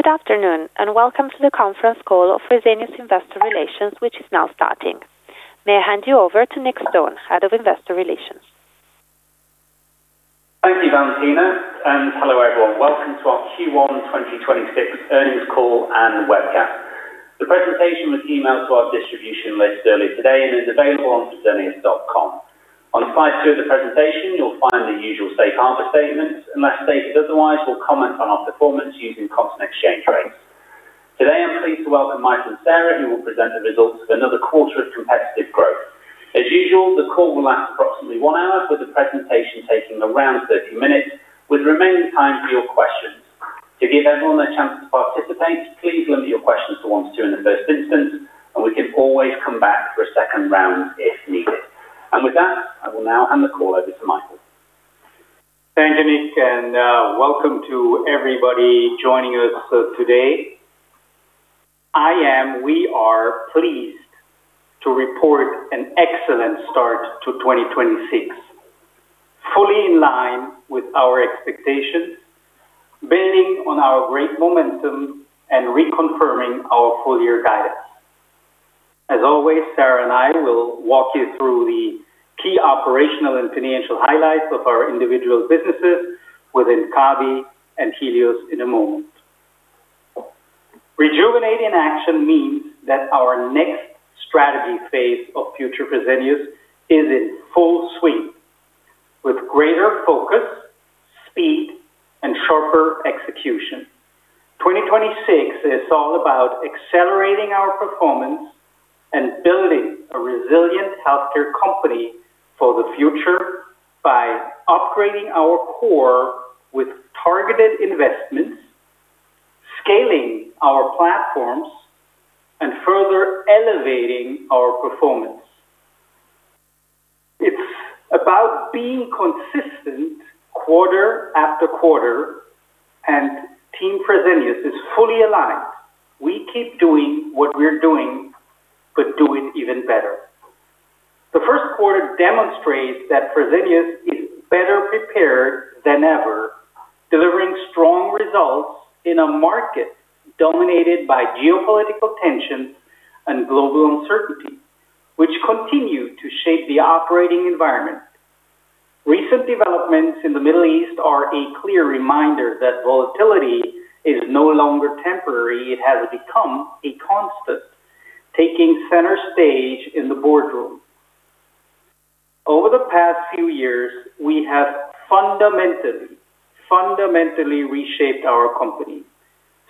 Good afternoon, welcome to the conference call of Fresenius Investor Relations, which is now starting. May I hand you over to Nick Stone, Head of Investor Relations. Thank you, Valentina. Hello, everyone. Welcome to our Q1 2026 Earnings Call and webcast. The presentation was emailed to our distribution list earlier today and is available on fresenius.com. On slide two of the presentation, you'll find the usual safe harbor statements. Unless stated otherwise, we'll comment on our performance using constant exchange rates. Today, I'm pleased to welcome Michael Sen, who will present the results of another quarter of competitive growth. As usual, the call will last approximately one hour, with the presentation taking around 30 minutes, with remaining time for your questions. To give everyone a chance to participate, please limit your questions to one to two in the first instance, and we can always come back for a second round if needed. With that, I will now hand the call over to Michael. Thank you, Nick, and welcome to everybody joining us today. We are pleased to report an excellent start to 2026, fully in line with our expectations, building on our great momentum and reconfirming our full year guidance. As always, Sara and I will walk you through the key operational and financial highlights of our individual businesses within Kabi and Helios in a moment. Rejuvenate in action means that our next strategy phase of #FutureFresenius is in full swing with greater focus, speed, and sharper execution. 2026 is all about accelerating our performance and building a resilient healthcare company for the future by upgrading our core with targeted investments, scaling our platforms, and further elevating our performance. It's about being consistent quarter after quarter. Team Fresenius is fully aligned. We keep doing what we're doing, do it even better. The 1st quarter demonstrates that Fresenius is better prepared than ever, delivering strong results in a market dominated by geopolitical tensions and global uncertainty, which continue to shape the operating environment. Recent developments in the Middle East are a clear reminder that volatility is no longer temporary. It has become a constant, taking center stage in the boardroom. Over the past few years, we have fundamentally reshaped our company,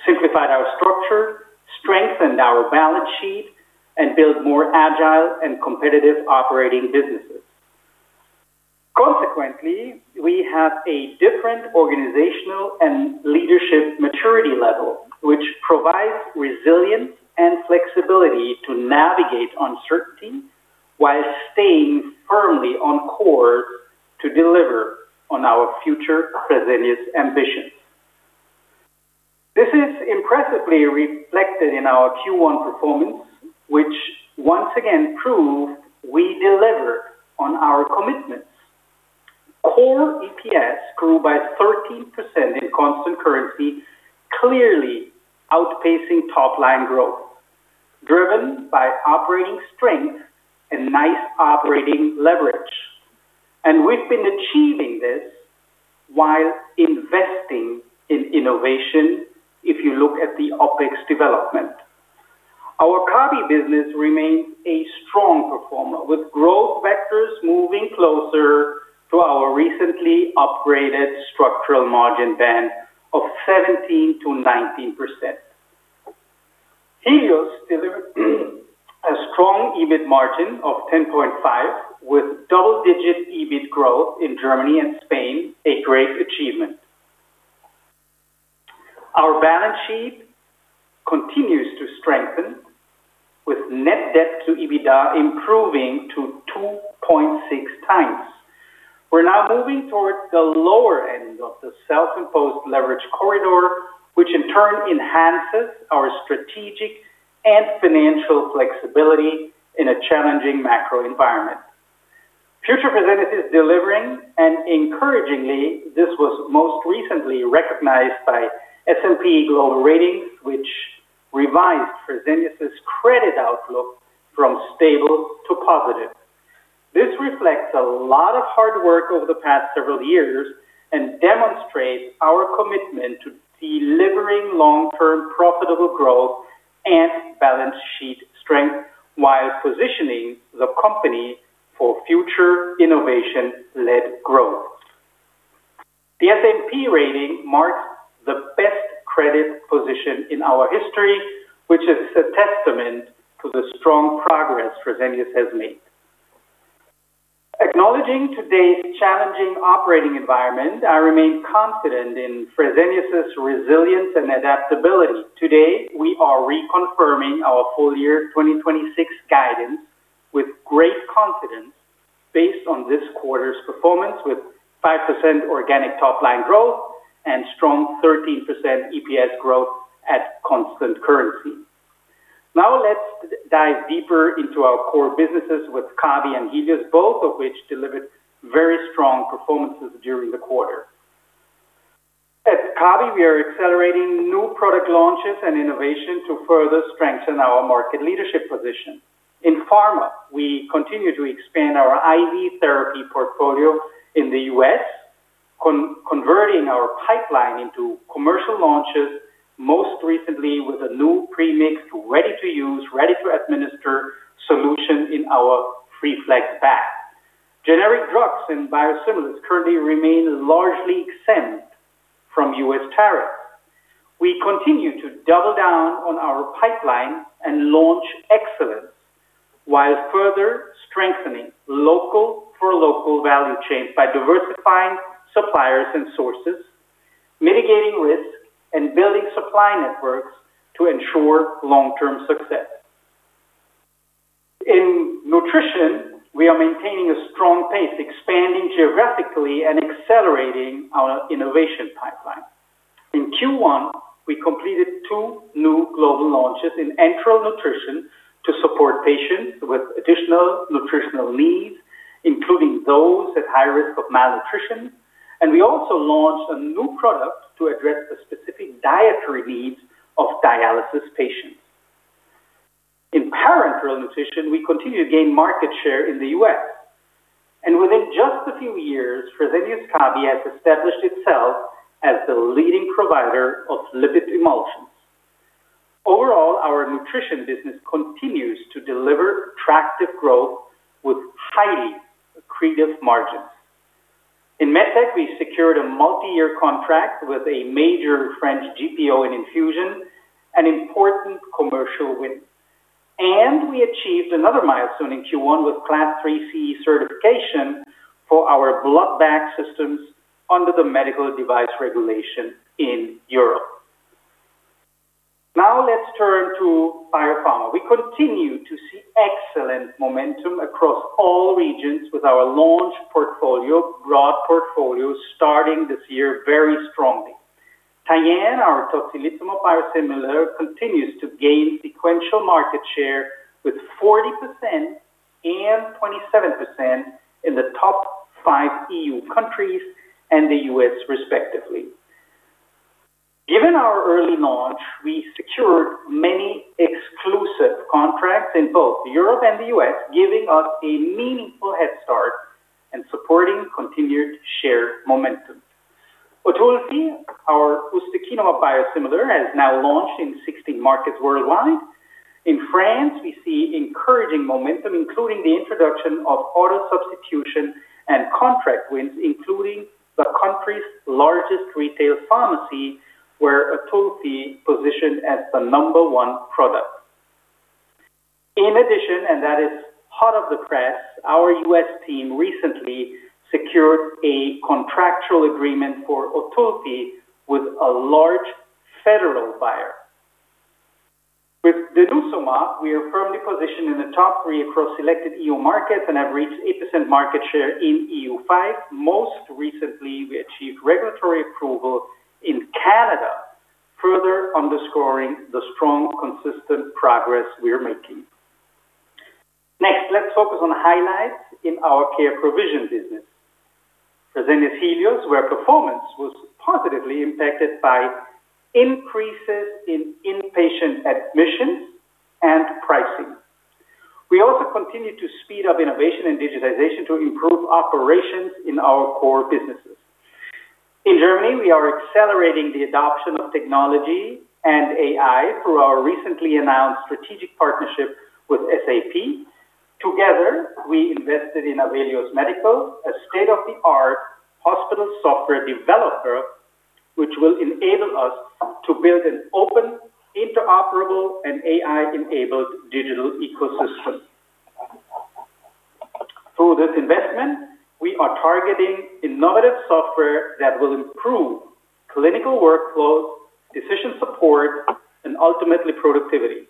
simplified our structure, strengthened our balance sheet, and built more agile and competitive operating businesses. Consequently, we have a different organizational and leadership maturity level, which provides resilience and flexibility to navigate uncertainty while staying firmly on course to deliver on our future Fresenius ambition. This is impressively reflected in our Q1 performance, which once again proved we deliver on our commitments. Core EPS grew by 13% in constant currency, clearly outpacing top-line growth, driven by operating strength and nice operating leverage. We've been achieving this while investing in innovation if you look at the OpEx development. Our Kabi business remains a strong performer, with growth vectors moving closer to our recently upgraded structural margin band of 17%-19%. Helios delivered a strong EBIT margin of 10.5%, with double-digit EBIT growth in Germany and Spain, a great achievement. Our balance sheet continues to strengthen, with net debt to EBITDA improving to 2.6 times. We're now moving towards the lower end of the self-imposed leverage corridor, which in turn enhances our strategic and financial flexibility in a challenging macro environment. Future Fresenius is delivering, and encouragingly, this was most recently recognized by S&P Global Ratings, which revised Fresenius' credit outlook from stable to positive. This reflects a lot of hard work over the past several years and demonstrates our commitment to delivering long-term profitable growth and balance sheet strength while positioning the company for future innovation-led growth. The S&P rating marks the best credit position in our history, which is a testament to the strong progress Fresenius has made. Acknowledging today's challenging operating environment, I remain confident in Fresenius' resilience and adaptability. Today, we are reconfirming our full year 2026 guidance with great confidence based on this quarter's performance with 5% organic top-line growth and strong 13% EPS growth at constant currency. Now let's dive deeper into our core businesses with Kabi and Helios, both of which delivered very strong performances during the quarter. At Kabi, we are accelerating new product launches and innovation to further strengthen our market leadership position. In Pharma, we continue to expand our IV therapy portfolio in the U.S., converting our pipeline into commercial launches, most recently with a new pre-mix, ready-to-use, ready-to-administer solution in our Freeflex bag. Generic drugs and biosimilars currently remain largely exempt from U.S. tariffs. We continue to double down on our pipeline and launch excellence while further strengthening local for local value chains by diversifying suppliers and sources, mitigating risk, and building supply networks to ensure long-term success. In nutrition, we are maintaining a strong pace, expanding geographically and accelerating our innovation pipeline. In Q1, we completed two new global launches in enteral nutrition to support patients with additional nutritional needs, including those at high risk of malnutrition, and we also launched a new product to address the specific dietary needs of dialysis patients. In parenteral nutrition, we continue to gain market share in the U.S. Within just a few years, Fresenius Kabi has established itself as the leading provider of lipid emulsions. Overall, our nutrition business continues to deliver attractive growth with highly accretive margins. In MedTech, we secured a multi-year contract with a major French GPO in infusion, an important commercial win. We achieved another milestone in Q1 with Class IIb certification for our blood bag systems under the Medical Device Regulation in Europe. Now let's turn to Biopharma. We continue to see excellent momentum across all regions with our launch portfolio, broad portfolio starting this year very strongly. Tyenne, our tocilizumab biosimilar, continues to gain sequential market share with 40% and 27% in the top five EU countries and the U.S. respectively. Given our early launch, we secured many exclusive contracts in both Europe and the U.S., giving us a meaningful head start and supporting continued share momentum. Otulfi, our ustekinumab biosimilar, has now launched in 16 markets worldwide. In France, we see encouraging momentum, including the introduction of auto-substitution and contract wins, including the country's largest retail pharmacy, where Otulfi positioned as the number one product. In addition, and that is hot off the press, our U.S. team recently secured a contractual agreement for Otulfi with a large federal buyer. With denosumab, we are firmly positioned in the top three across selected EU markets and have reached 8% market share in EU 5. Most recently, we achieved regulatory approval in Canada, further underscoring the strong, consistent progress we are making. Next, let's focus on highlights in our care provision business. Fresenius Helios, where performance was positively impacted by increases in inpatient admissions and pricing. We also continue to speed up innovation and digitization to improve operations in our core businesses. In Germany, we are accelerating the adoption of technology and AI through our recently announced strategic partnership with SAP. Together, we invested in Avelios Medical, a state-of-the-art hospital software developer, which will enable us to build an open, interoperable, and AI-enabled digital ecosystem. Through this investment, we are targeting innovative software that will improve clinical workflows, decision support, and ultimately productivity.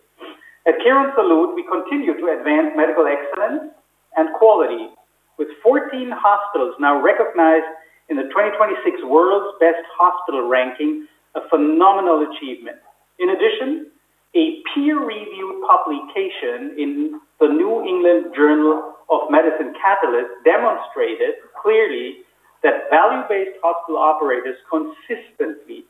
At Quirónsalud, we continue to advance medical excellence and quality, with 14 hospitals now recognized in the 2026 World's Best Hospital ranking, a phenomenal achievement. In addition, a peer-reviewed publication in the New England Journal of Medicine Catalyst demonstrated clearly that value-based hospital operators consistently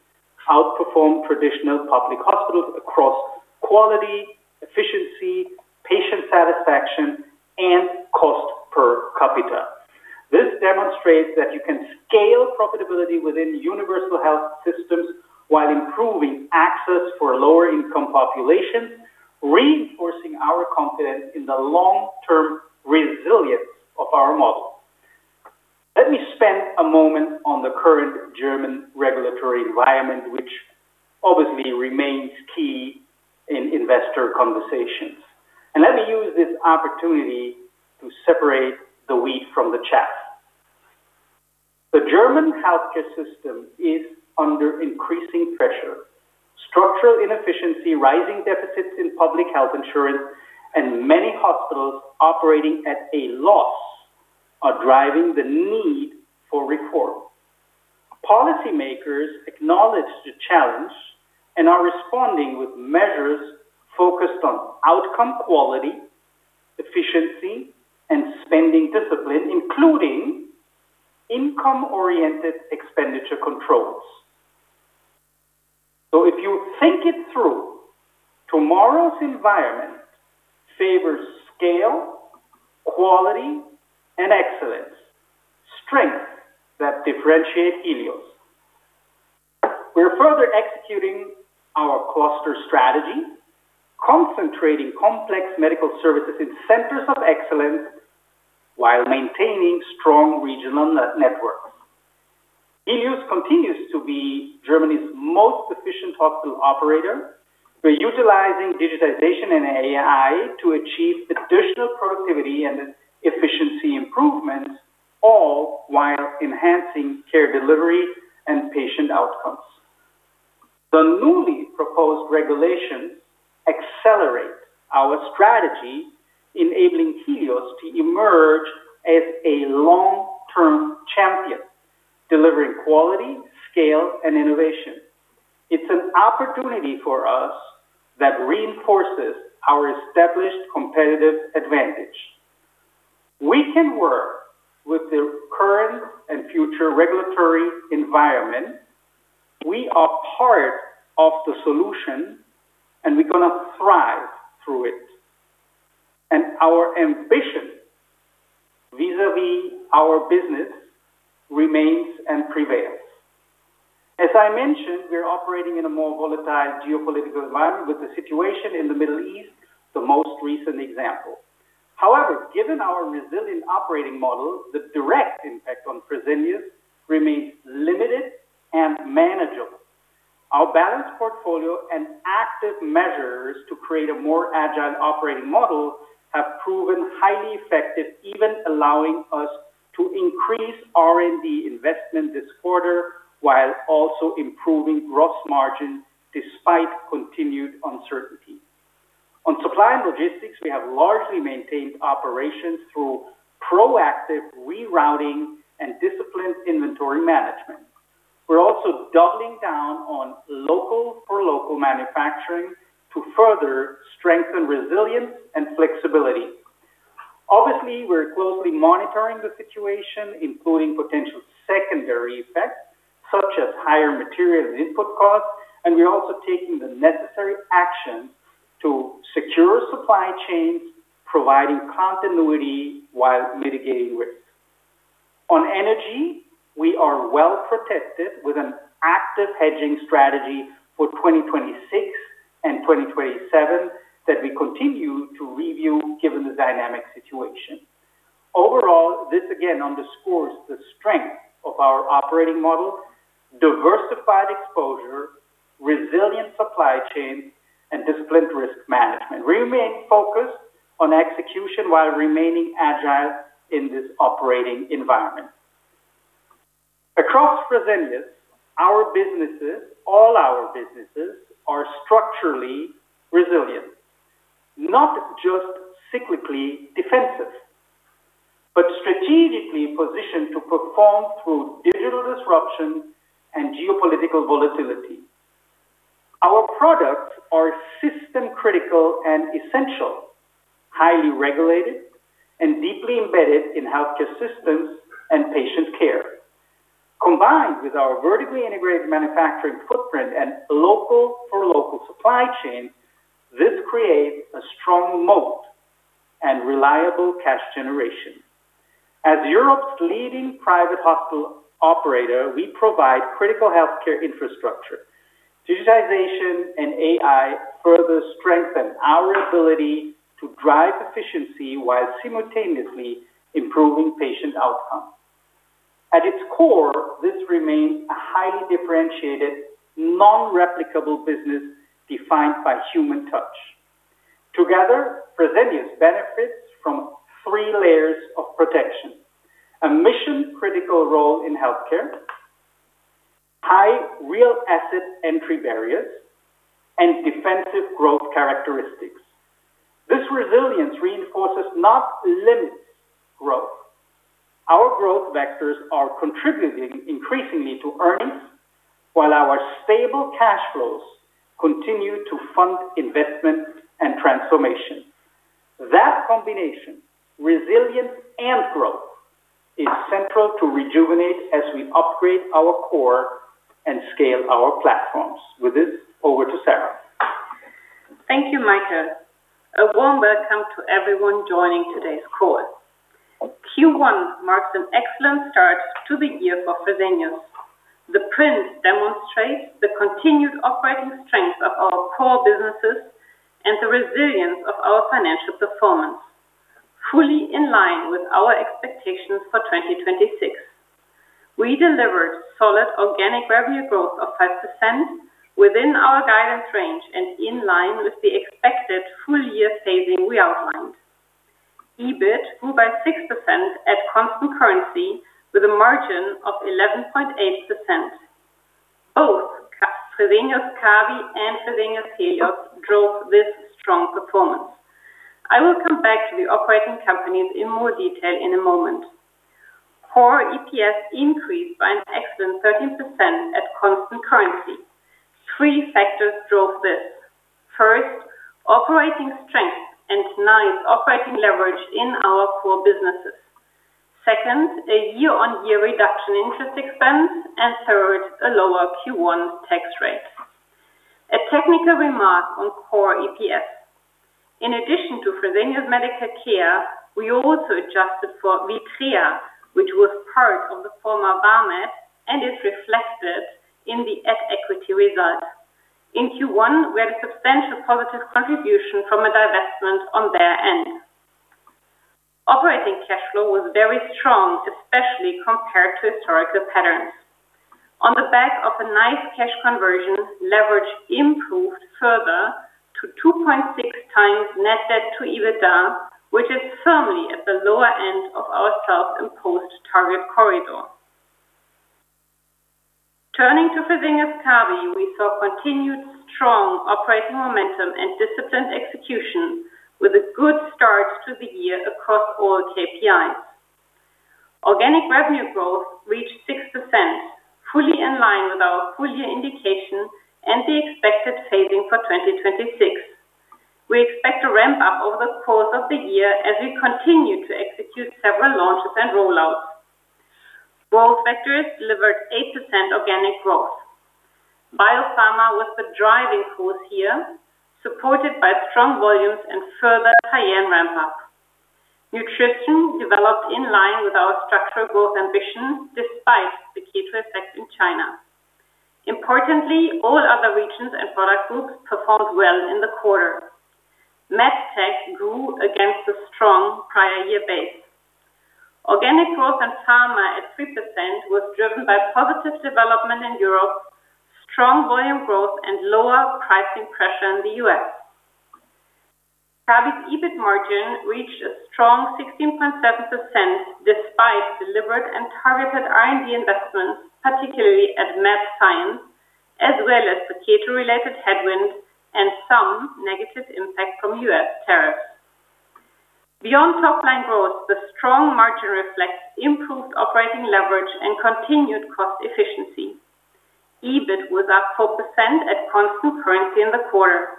outperform traditional public hospitals across quality, efficiency, patient satisfaction, and cost per capita. This demonstrates that you can scale profitability within universal health systems while improving access for lower-income populations, reinforcing our confidence in the long-term resilience of our model. Let me spend a moment on the current German regulatory environment, which obviously remains key in investor conversations. Let me use this opportunity to separate the wheat from the chaff. The German healthcare system is under increasing pressure. Structural inefficiency, rising deficits in public health insurance, and many hospitals operating at a loss are driving the need for reform. Policymakers acknowledge the challenge and are responding with measures focused on outcome quality, efficiency, and spending discipline, including income-oriented expenditure controls. If you think it through, tomorrow's environment favors scale, quality, and excellence, strength that differentiate Helios. We're further executing our cluster strategy, concentrating complex medical services in centers of excellence while maintaining strong regional networks. Helios continues to be Germany's most efficient hospital operator. We're utilizing digitization and AI to achieve additional productivity and efficiency improvements, all while enhancing care delivery and patient outcomes. The newly proposed regulations accelerate our strategy, enabling Helios to emerge as a long-term champion, delivering quality, scale, and innovation. It's an opportunity for us that reinforces our established competitive advantage. We can work with the current and future regulatory environment. We are part of the solution, and we're gonna thrive through it. Our ambition vis-à-vis our business remains and prevails. As I mentioned, we're operating in a more volatile geopolitical environment with the situation in the Middle East, the most recent example. However, given our resilient operating model, the direct impact on Fresenius remains limited and manageable. Our balanced portfolio and active measures to create a more agile operating model have proven highly effective, even allowing us to increase R&D investment this quarter while also improving gross margin despite continued uncertainty. On supply and logistics, we have largely maintained operations through proactive rerouting and disciplined inventory management. We're also doubling down on local for local manufacturing to further strengthen resilience and flexibility. We're closely monitoring the situation, including potential secondary effects, such as higher material and input costs, and we are also taking the necessary action to secure supply chains, providing continuity while mitigating risk. On energy, we are well protected with an active hedging strategy for 2026 and 2027 that we continue to review given the dynamic situation. This again underscores the strength of our operating model, diversified exposure, resilient supply chain, and disciplined risk management. We remain focused on execution while remaining agile in this operating environment. Across Fresenius, our businesses, all our businesses are structurally resilient, not just cyclically defensive, but strategically positioned to perform through digital disruption and geopolitical volatility. Our products are system critical and essential, highly regulated, and deeply embedded in healthcare systems and patient care. Combined with our vertically integrated manufacturing footprint and local for local supply chain, this creates a strong moat and reliable cash generation. As Europe's leading private hospital operator, we provide critical healthcare infrastructure. Digitization and AI further strengthen our ability to drive efficiency while simultaneously improving patient outcome. At its core, this remains a highly differentiated, non-replicable business defined by human touch. Together, Fresenius benefits from three layers of protection: a mission-critical role in healthcare, high real asset entry barriers, and defensive growth characteristics. This resilience reinforces, not limits growth. Our growth vectors are contributing increasingly to earnings while our stable cash flows continue to fund investment and transformation. That combination, resilience and growth, is central to Rejuvenate as we upgrade our core and scale our platforms. With this, over to Sara. Thank you, Michael. A warm welcome to everyone joining today's call. Q1 marks an excellent start to the year for Fresenius. The prints demonstrate the continued operating strength of our core businesses and the resilience of our financial performance, fully in line with our expectations for 2026. We delivered solid organic revenue growth of 5% within our guidance range and in line with the expected full year saving we outlined. EBIT grew by 6% at constant currency with a margin of 11.8%. Both Fresenius Kabi and Fresenius Helios drove this strong performance. I will come back to the operating companies in more detail in a moment. Core EPS increased by an excellent 13% at constant currency. Three factors drove this. First, operating strength and nice operating leverage in our core businesses. Second, a year-on-year reduction in interest expense. Third, a lower Q1 tax rate. A technical remark on Core EPS. In addition to Fresenius Medical Care, we also adjusted for Vitria, which was part of the former Vamed and is reflected in the at-equity result. In Q1, we had a substantial positive contribution from a divestment on their end. Operating cash flow was very strong, especially compared to historical patterns. On the back of a nice cash conversion, leverage improved further to 2.6 times net debt to EBITDA, which is firmly at the lower end of our self-imposed target corridor. Turning to Fresenius Kabi, we saw continued strong operating momentum and disciplined execution with a good start to the year across all KPIs. Organic revenue growth reached 6%, fully in line with our full year indication and the expected phasing for 2026. We expect to ramp up over the course of the year as we continue to execute several launches and rollouts. Growth Vectors delivered 8% organic growth. Biopharma was the driving force here, supported by strong volumes and further Tyenne ramp-up. Nutrition developed in line with our structural growth ambition despite the K2 effect in China. Importantly, all other regions and product groups performed well in the quarter. MedTech grew against a strong prior year base. Organic growth in Pharma at 3% was driven by positive development in Europe, strong volume growth, and lower pricing pressure in the U.S. Kabi's EBIT margin reached a strong 16.7% despite delivered and targeted R&D investments, particularly at MedScience, as well as the K2-related headwind and some negative impact from U.S. tariffs. Beyond top line growth, the strong margin reflects improved operating leverage and continued cost efficiency. EBIT was up 4% at constant currency in the quarter.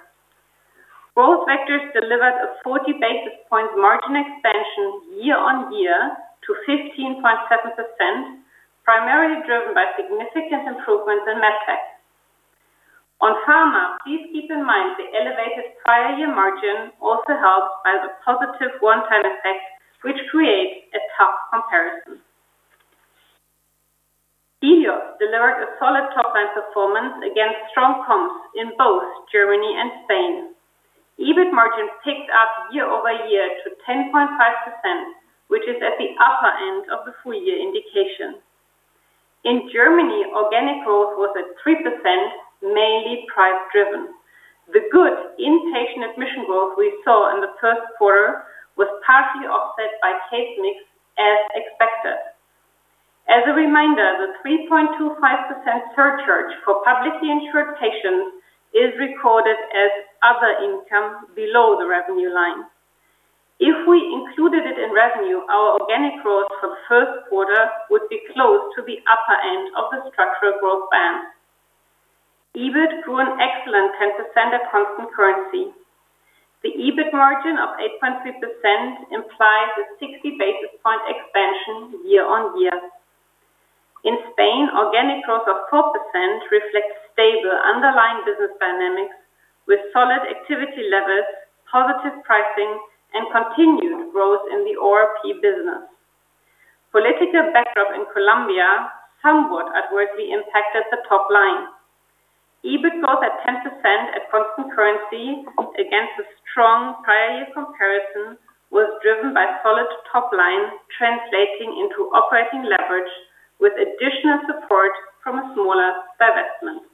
Growth Vectors delivered a 40 basis point margin expansion year-on-year to 15.7%, primarily driven by significant improvements in MedTech. On Pharma, please keep in mind the elevated prior year margin also helped by the positive one-time effect, which creates a tough comparison. Helios delivered a solid top line performance against strong comps in both Germany and Spain. EBIT margin ticked up year-over-year to 10.5%, which is at the upper end of the full year indication. In Germany, organic growth was at 3%, mainly price driven. The good inpatient admission growth we saw in the first quarter was partly offset by case mix as expected. As a reminder, the 3.25% surcharge for publicly insured patients is recorded as other income below the revenue line. If we included it in revenue, our organic growth for the first quarter would be close to the upper end of the structural growth band. EBIT grew an excellent 10% at constant currency. The EBIT margin of 8.3% implies a 60 basis point expansion year-on-year. In Spain, organic growth of 4% reflects stable underlying business dynamics with solid activity levels, positive pricing, and continued growth in the ORP business. Political backdrop in Colombia somewhat adversely impacted the top line. EBIT growth at 10% at constant currency against a strong prior year comparison was driven by solid top line translating into operating leverage with additional support from a smaller divestment.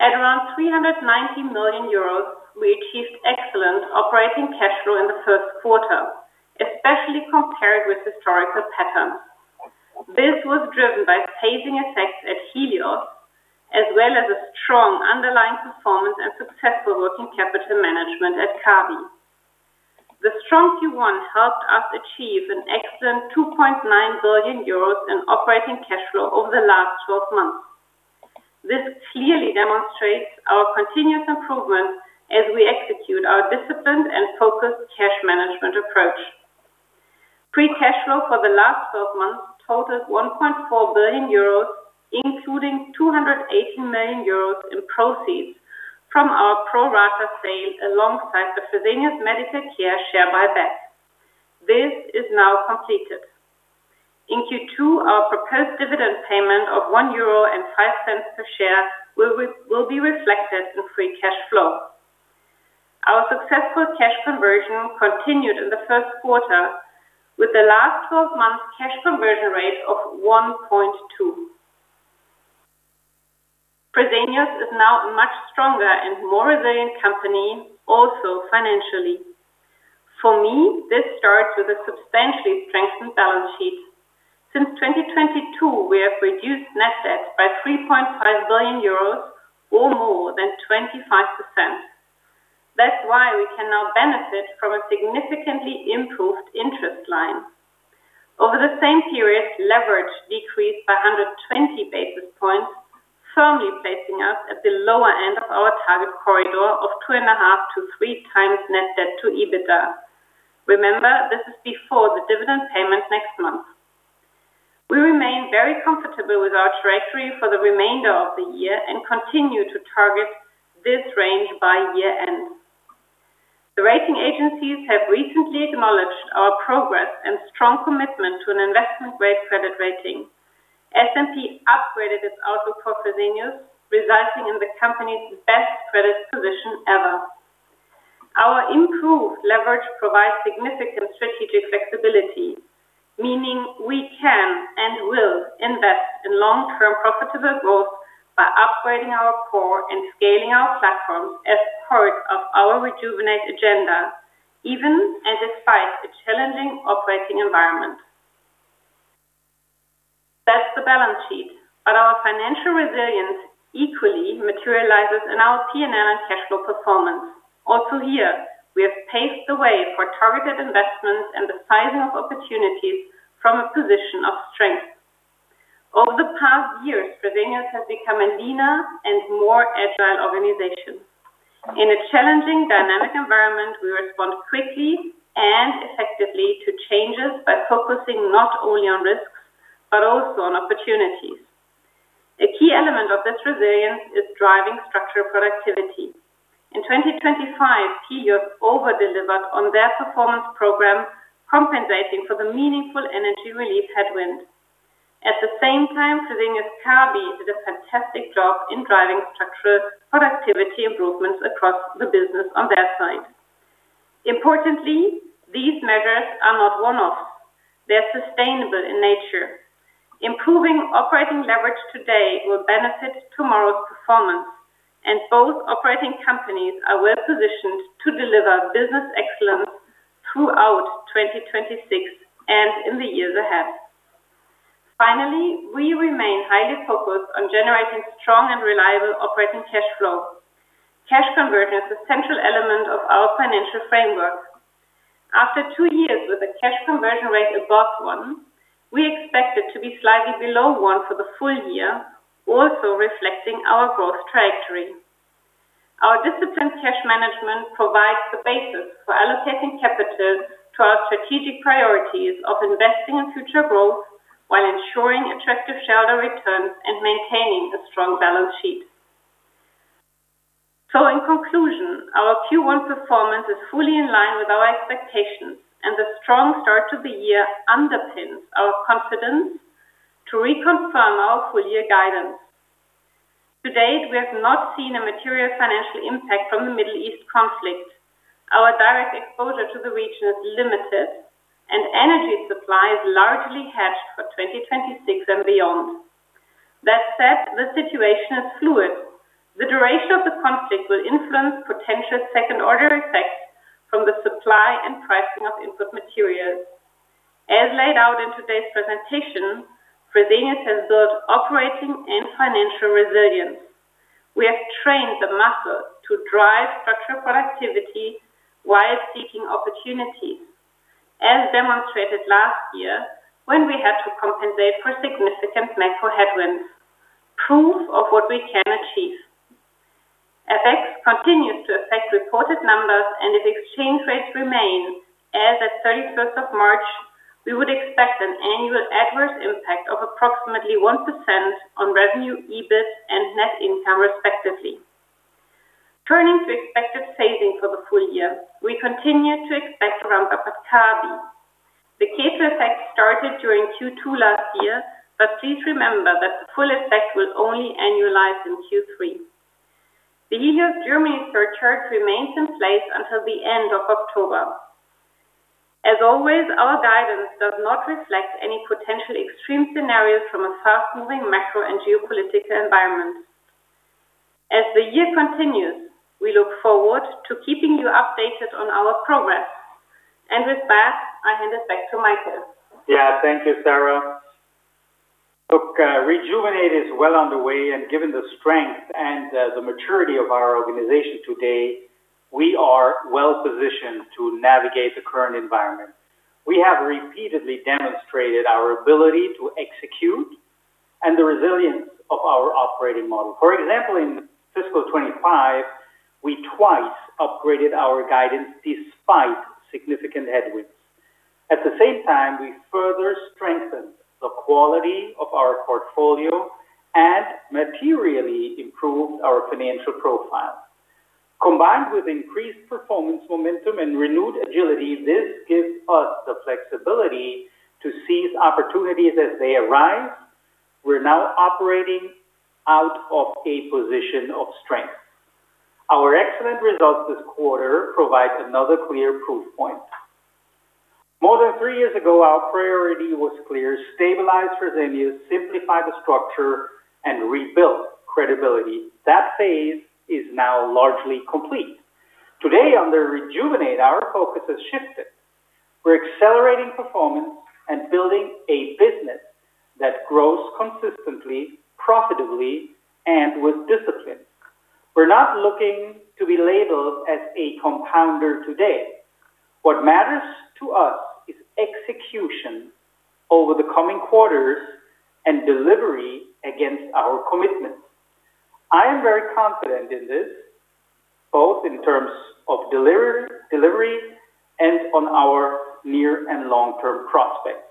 At around 390 million euros, we achieved excellent operating cash flow in the first quarter, especially compared with historical patterns. This was driven by phasing effects at Helios, as well as a strong underlying performance and successful working capital management at Kabi. The strong Q1 helped us achieve an excellent 2.9 billion euros in operating cash flow over the last 12 months. This clearly demonstrates our continuous improvement as we execute our disciplined and focused cash management approach. Free cash flow for the last 12 months totaled 1.4 billion euros, including 280 million euros in proceeds from our pro-rata sale alongside the Fresenius Medical Care share buyback. This is now completed. In Q2, our proposed dividend payment of 1.05 euro per share will be reflected in free cash flow. Our successful cash conversion continued in the first quarter with the last 12 months cash conversion rate of 1.2. Fresenius is now a much stronger and more resilient company, also financially. For me, this starts with a substantially strengthened balance sheet. Since 2022, we have reduced net debt by 3.5 billion euros or more than 25%. We can now benefit from a significantly improved interest line. Over the same period, leverage decreased by 120 basis points, firmly placing us at the lower end of our target corridor of 2.5 to 3 times net debt to EBITDA. Remember, this is before the dividend payment next month. We remain very comfortable with our trajectory for the remainder of the year and continue to target this range by year end. The rating agencies have recently acknowledged our progress and strong commitment to an investment grade credit rating. S&P upgraded its outlook for Fresenius, resulting in the company's best credit position ever. Our improved leverage provides significant strategic flexibility, meaning we can and will invest in long-term profitable growth by upgrading our core and scaling our platforms as part of our Rejuvenate agenda, even and despite a challenging operating environment. Our financial resilience equally materializes in our P&L and cash flow performance. Also here, we have paved the way for targeted investments and the sizing of opportunities from a position of strength. Over the past years, Fresenius has become a leaner and more agile organization. In a challenging dynamic environment, we respond quickly and effectively to changes by focusing not only on risks, but also on opportunities. A key element of this resilience is driving structural productivity. In 2025, Helios over-delivered on their performance program, compensating for the meaningful energy relief headwind. At the same time, Fresenius Kabi did a fantastic job in driving structural productivity improvements across the business on their side. Importantly, these measures are not one-offs. They are sustainable in nature. Improving operating leverage today will benefit tomorrow's performance, and both operating companies are well-positioned to deliver business excellence throughout 2026 and in the years ahead. Finally, we remain highly focused on generating strong and reliable operating cash flow. Cash conversion is a central element of our financial framework. After two years with a cash conversion rate above one, we expect it to be slightly below one for the full year, also reflecting our growth trajectory. Our disciplined cash management provides the basis for allocating capital to our strategic priorities of investing in future growth while ensuring attractive shareholder returns and maintaining a strong balance sheet. In conclusion, our Q1 performance is fully in line with our expectations, and the strong start to the year underpins our confidence to reconfirm our full year guidance. To date, we have not seen a material financial impact from the Middle East conflict. Our direct exposure to the region is limited, and energy supply is largely hedged for 2026 and beyond. That said, the situation is fluid. The duration of the conflict will influence potential second-order effects from the supply and pricing of input materials. As laid out in today's presentation, Fresenius has built operating and financial resilience. We have trained the muscle to drive structural productivity while seeking opportunities, as demonstrated last year when we had to compensate for significant macro headwinds. Proof of what we can achieve. FX continues to affect reported numbers. If exchange rates remain as at 31st of March, we would expect an annual adverse impact of approximately 1% on revenue, EBIT and net income, respectively. Turning to expected phasing for the full year, we continue to expect a ramp-up at Kabi. The case effect started during Q2 last year. Please remember that the full effect will only annualize in Q3. The Helios Germany surcharge remains in place until the end of October. As always, our guidance does not reflect any potential extreme scenarios from a fast-moving macro and geopolitical environment. As the year continues, we look forward to keeping you updated on our progress. With that, I hand it back to Michael. Thank you, Sara. Look, Rejuvenate is well on the way, and given the strength and the maturity of our organization today, we are well positioned to navigate the current environment. We have repeatedly demonstrated our ability to execute and the resilience of our operating model. For example, in fiscal 2025, we twice upgraded our guidance despite significant headwinds. At the same time, we further strengthened the quality of our portfolio and materially improved our financial profile. Combined with increased performance momentum and renewed agility, this gives us the flexibility to seize opportunities as they arise. We're now operating out of a position of strength. Our excellent results this quarter provides another clear proof point. More than three years ago, our priority was clear: stabilize Fresenius, simplify the structure, and rebuild credibility. That phase is now largely complete. Today, under Rejuvenate, our focus has shifted. We're accelerating performance and building a business that grows consistently, profitably, and with discipline. We're not looking to be labeled as a compounder today. What matters to us is execution over the coming quarters and delivery against our commitments. I am very confident in this, both in terms of delivery and on our near and long-term prospects.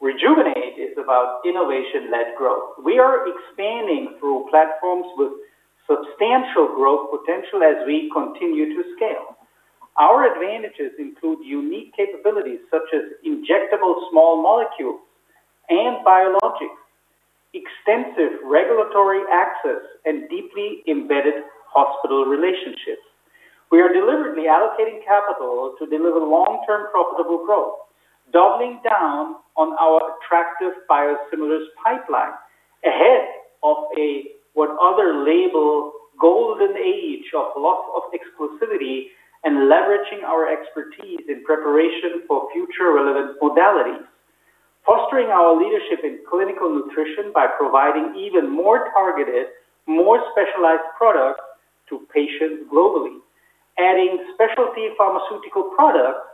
Rejuvenate is about innovation-led growth. We are expanding through platforms with substantial growth potential as we continue to scale. Our advantages include unique capabilities such as injectable small molecules and biologics, extensive regulatory access, and deeply embedded hospital relationships. We are deliberately allocating capital to deliver long-term profitable growth, doubling down on our attractive biosimilars pipeline ahead of a golden age of loss of exclusivity and leveraging our expertise in preparation for future relevant modalities. Fostering our leadership in clinical nutrition by providing even more targeted, more specialized products to patients globally. Adding specialty pharmaceutical products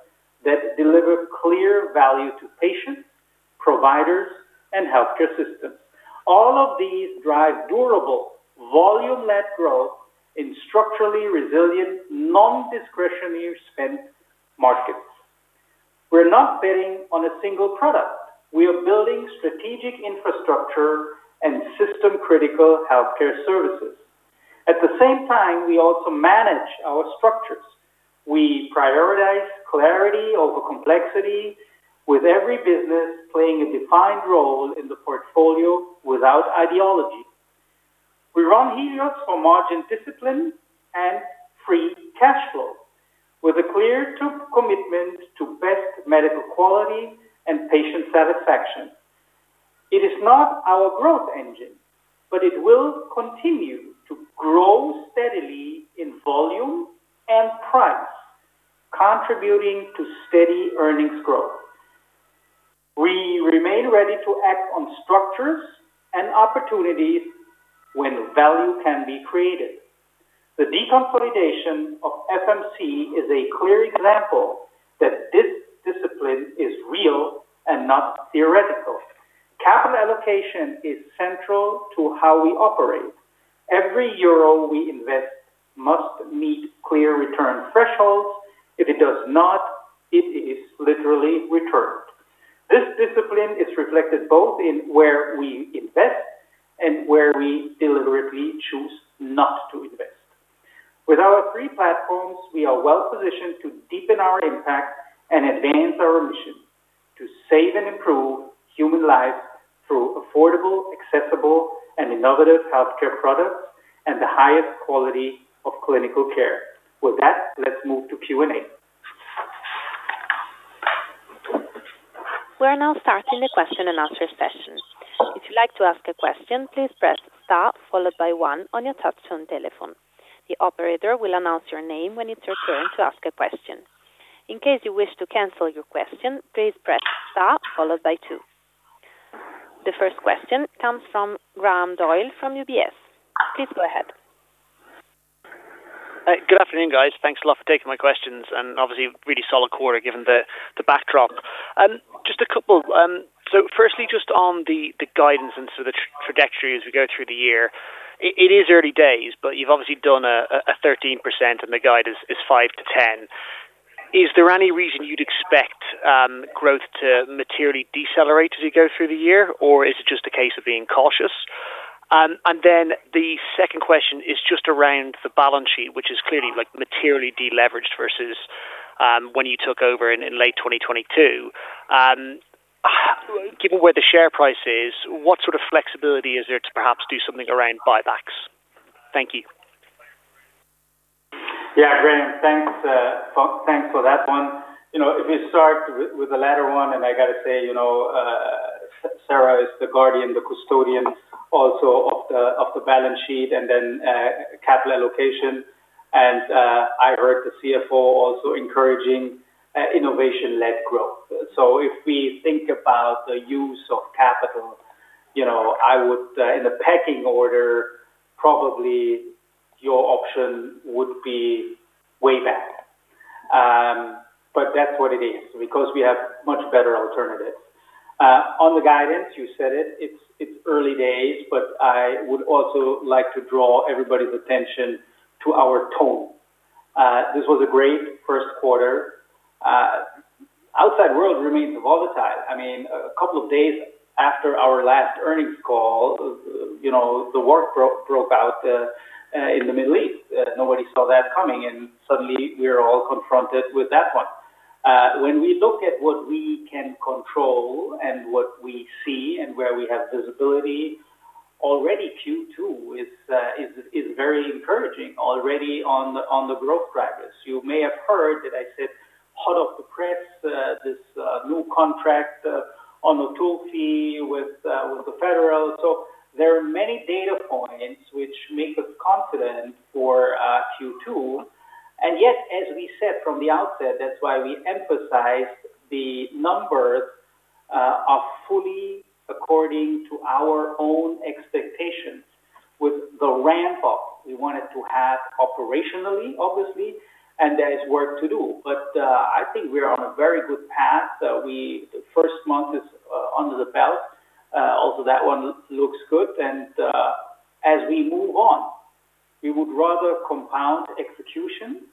that deliver clear value to patients, providers, and healthcare systems. All of these drive durable volume-led growth in structurally resilient non-discretionary spend markets. We're not betting on a single product. We are building strategic infrastructure and system-critical healthcare services. At the same time, we also manage our structures. We prioritize clarity over complexity, with every business playing a defined role in the portfolio without ideology. We run Helios for margin discipline and free cash flow, with a clear commitment to best medical quality and patient satisfaction. It is not our growth engine, but it will continue to grow steadily in volume and price, contributing to steady earnings growth. We remain ready to act on structures and opportunities when value can be created. The deconsolidation of FMC is a clear example that this discipline is real and not theoretical. Capital allocation is central to how we operate. Every Euro we invest must meet clear return thresholds. If it does not, it is literally returned. This discipline is reflected both in where we invest and where we deliberately choose not to invest. With our three platforms, we are well-positioned to deepen our impact and advance our mission to save and improve human lives through affordable, accessible, and innovative healthcare products and the highest quality of clinical care. With that, let's move to Q&A. We are now starting the question-and-answer session. If you like to ask a question, please press star followed by one on your touch-tone telephone. The operator will announce your name when it's your turn to ask a question. In case you wish to cancel your question please press star followed by two. The first question comes from Graham Doyle from UBS. Please go ahead. Good afternoon, guys. Thanks a lot for taking my questions, obviously really solid quarter given the backdrop. Just a couple. Firstly, just on the guidance and sort of the trajectory as we go through the year. It is early days, you've obviously done a 13% and the guide is 5%-10%. Is there any reason you'd expect growth to materially decelerate as you go through the year, or is it just a case of being cautious? The second question is just around the balance sheet, which is clearly like materially deleveraged versus when you took over in late 2022. Given where the share price is, what sort of flexibility is there to perhaps do something around buybacks? Thank you. Yeah, Graham, thanks for that one. You know, if we start with the latter one, I gotta say, you know, Sara is the guardian, the custodian also of the balance sheet, capital allocation. I heard the CFO also encouraging innovation-led growth. If we think about the use of capital, you know, I would, in the pecking order, probably your option would be way back. That's what it is, because we have much better alternatives. On the guidance, you said it's early days, but I would also like to draw everybody's attention to our tone. This was a great first quarter. Outside world remains volatile. I mean, a couple of days after our last earnings call, you know, the war broke out in the Middle East. Nobody saw that coming. Suddenly we're all confronted with that one. When we look at what we can control and what we see and where we have visibility. Already Q2 is very encouraging on the growth progress. You may have heard that I said hot off the press, this new contract on Otulfi with the federal. There are many data points which make us confident for Q2. Yet, as we said from the outset, that's why we emphasized the numbers are fully according to our own expectations with the ramp up we wanted to have operationally, obviously, and there is work to do. I think we are on a very good path. The first month is under the belt. Also that one looks good. As we move on, we would rather compound execution,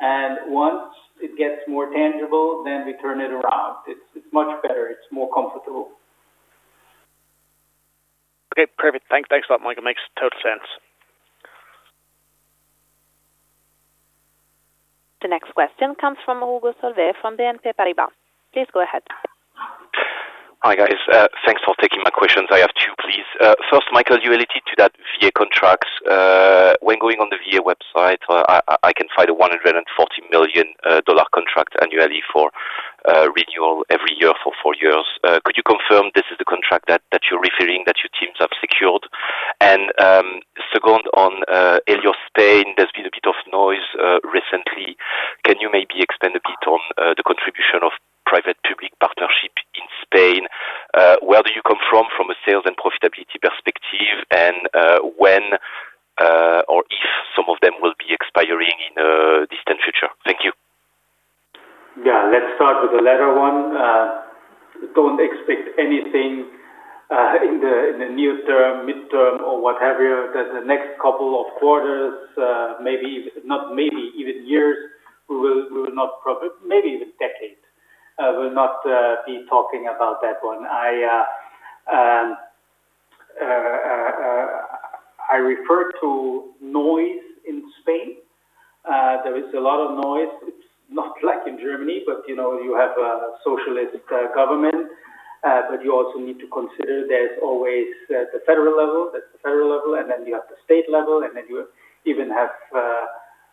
and once it gets more tangible, then we turn it around. It's much better. It's more comfortable. Okay, perfect. Thanks. Thanks a lot, Michael. Makes total sense. The next question comes from Hugo Solvet from BNP Paribas. Please go ahead. Hi, guys. Thanks for taking my questions. I have two, please. First, Michael, you alluded to that VA contracts. When going on the VA website, I can find a $140 million contract annually for renewal every year for four years. Could you confirm this is the contract that you're referring, that your teams have secured? Second on Helios, Spain, there's been a bit of noise recently. Can you maybe expand a bit on the contribution of private-public partnership in Spain? Where do you come from from a sales and profitability perspective and when or if some of them will be expiring in the distant future? Thank you. Yeah. Let's start with the latter one. Don't expect anything in the near term, midterm, or what have you. The next couple of quarters, maybe, if not maybe even years, we will not maybe even decade, will not be talking about that one. I refer to noise in Spain. There is a lot of noise. It's not like in Germany, but you know, you have a socialist government, but you also need to consider there's always the federal level. There's the federal level, and then you have the state level, and then you even have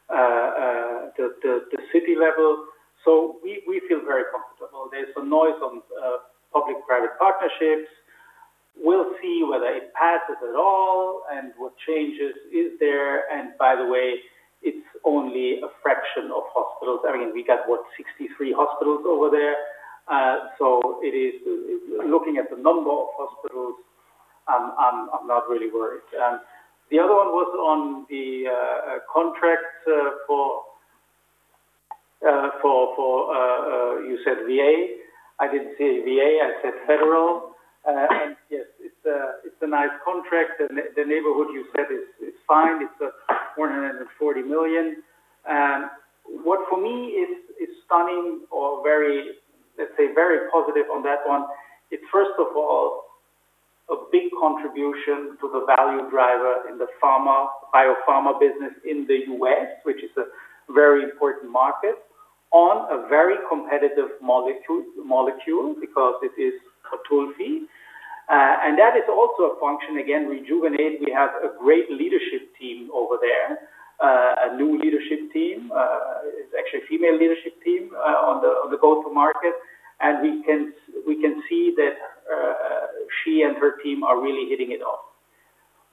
the city level. We feel very comfortable. There's some noise on public-private partnerships. We'll see whether it passes at all and what changes is there. By the way, it's only a fraction of hospitals. I mean, we got, what, 63 hospitals over there. Looking at the number of hospitals, I'm not really worried. The other one was on the contract for, you said VA. I didn't say VA. I said federal. Yes, it's a nice contract. The neighborhood you said is fine. It's 440 million. What for me is stunning or very, let's say very positive on that one, it first of all a big contribution to the value driver in the Pharma, Biopharma business in the U.S., which is a very important market, on a very competitive molecule because it is Otulfi. That is also a function, again, Rejuvenate. We have a great leadership team over there, a new leadership team. It's actually a female leadership team on the go-to-market. We can see that she and her team are really hitting it off.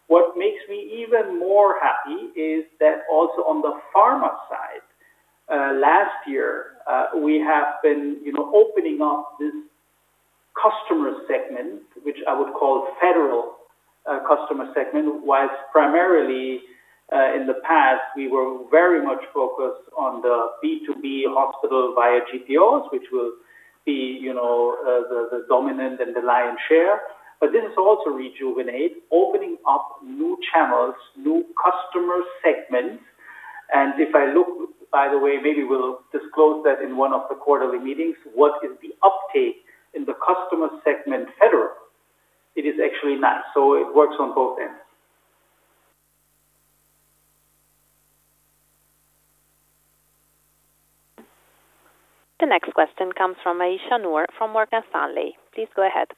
What makes me even more happy is that also on the Pharma side, last year, we have been, you know, opening up this customer segment, which I would call federal, customer segment, whilst primarily, in the past, we were very much focused on the B2B hospital via GPOs, which will be, you know, the dominant and the lion share. This is also Rejuvenate, opening up new channels, new customer segments. If I look, by the way, maybe we'll disclose that in one of the quarterly meetings, what is the uptake in the customer segment federal. It is actually nice, so it works on both ends. The next question comes from Aisyah Noor from Morgan Stanley. Please go ahead.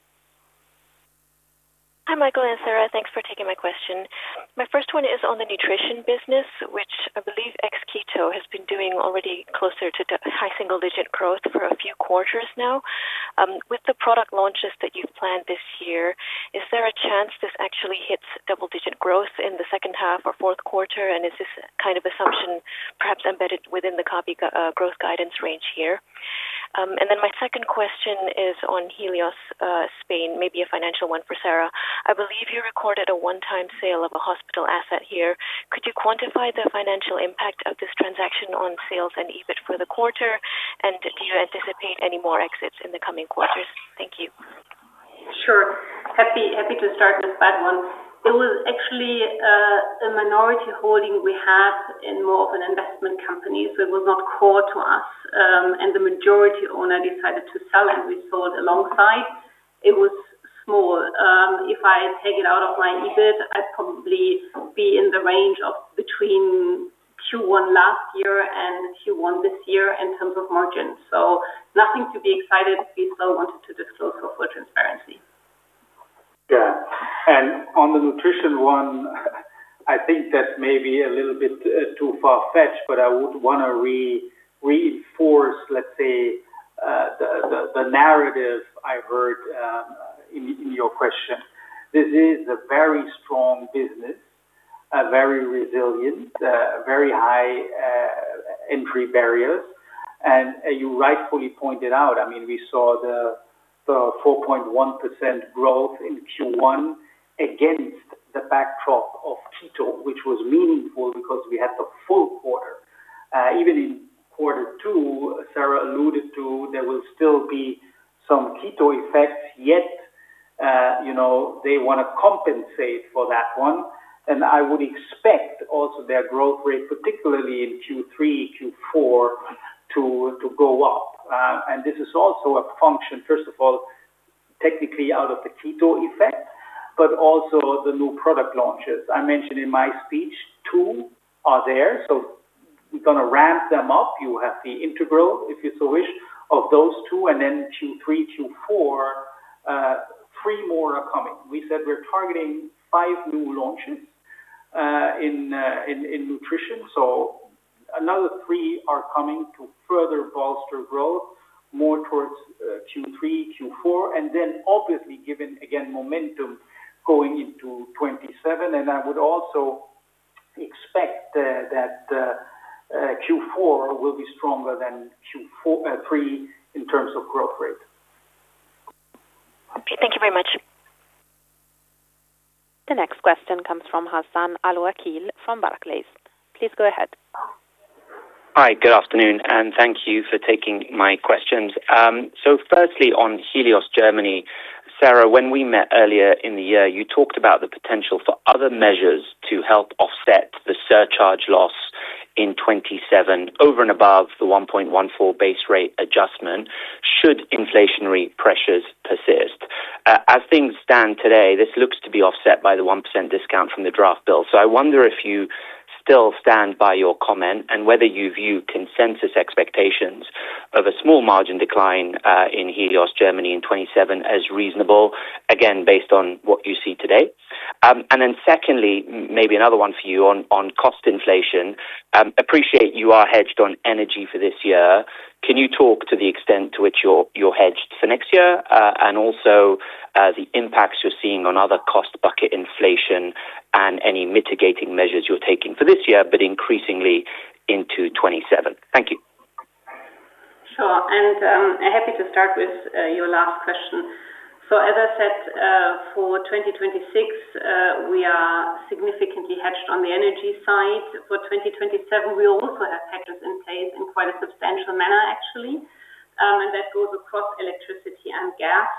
Hi, Michael and Sara. Thanks for taking my question. My first one is on the nutrition business, which I believe ex-Keto has been doing already closer to the high single-digit growth for a few quarters now. With the product launches that you've planned this year, is there a chance this actually hits double-digit growth in the second half or fourth quarter? Is this kind of assumption perhaps embedded within the Kabi growth guidance range here? My second question is on Helios, Spain, maybe a financial one for Sara. I believe you recorded a one-time sale of a hospital asset here. Could you quantify the financial impact of this transaction on sales and EBIT for the quarter? Do you anticipate any more exits in the coming quarters? Thank you. Sure. Happy to start with that one. It was actually a minority holding we had in more of an investment company, so it was not core to us. The majority owner decided to sell, and we sold alongside. It was small. If I take it out of my EBIT, I'd probably be in the range of between Q1 last year and Q1 this year in terms of margins. Nothing to be excited. We still wanted to disclose for full transparency. Yeah. On the nutrition one, I think that may be a little bit too far-fetched, but I would wanna re-reinforce, let's say, the narrative I heard in your question. This is a very strong business, a very resilient, very high entry barriers. You rightfully pointed out, I mean, we saw the 4.1% growth in Q1 against the backdrop of Keto, which was meaningful because we had the full quarter. Even in quarter two, Sara alluded to there will still be some Keto effects, yet, you know, they wanna compensate for that one. I would expect also their growth rate, particularly in Q3, Q4, to go up. This is also a function, first of all, technically out of the Keto effect, but also the new product launches. I mentioned in my speech two are there. We're going to ramp them up. You have the integral, if you so wish, of those two. Q3, Q4, 3 more are coming. We said we're targeting five new launches in nutrition. Another three are coming to further bolster growth more towards Q3, Q4, and then obviously given again momentum going into 2027. I would also expect that Q4 will be stronger than Q3 in terms of growth rate. Okay. Thank you very much. The next question comes from Hassan Al-Wakeel from Barclays. Please go ahead. Hi. Good afternoon, and thank you for taking my questions. Firstly, on Helios Germany, Sara, when we met earlier in the year, you talked about the potential for other measures to help offset the surcharge loss in 2027 over and above the 1.14 base rate adjustment should inflationary pressures persist. As things stand today, this looks to be offset by the 1% discount from the draft bill. I wonder if you still stand by your comment and whether you view consensus expectations of a small margin decline in Helios Germany in 2027 as reasonable, again, based on what you see today. Secondly, maybe another one for you on cost inflation. I appreciate you are hedged on energy for this year. Can you talk to the extent to which you're hedged for next year, and also, the impacts you're seeing on other cost bucket inflation and any mitigating measures you're taking for this year, but increasingly into 2027? Thank you. Sure. Happy to start with your last question. As I said, for 2026, we are significantly hedged on the energy side. For 2027, we also have hedges in place in quite a substantial manner, actually. That goes across electricity and gas.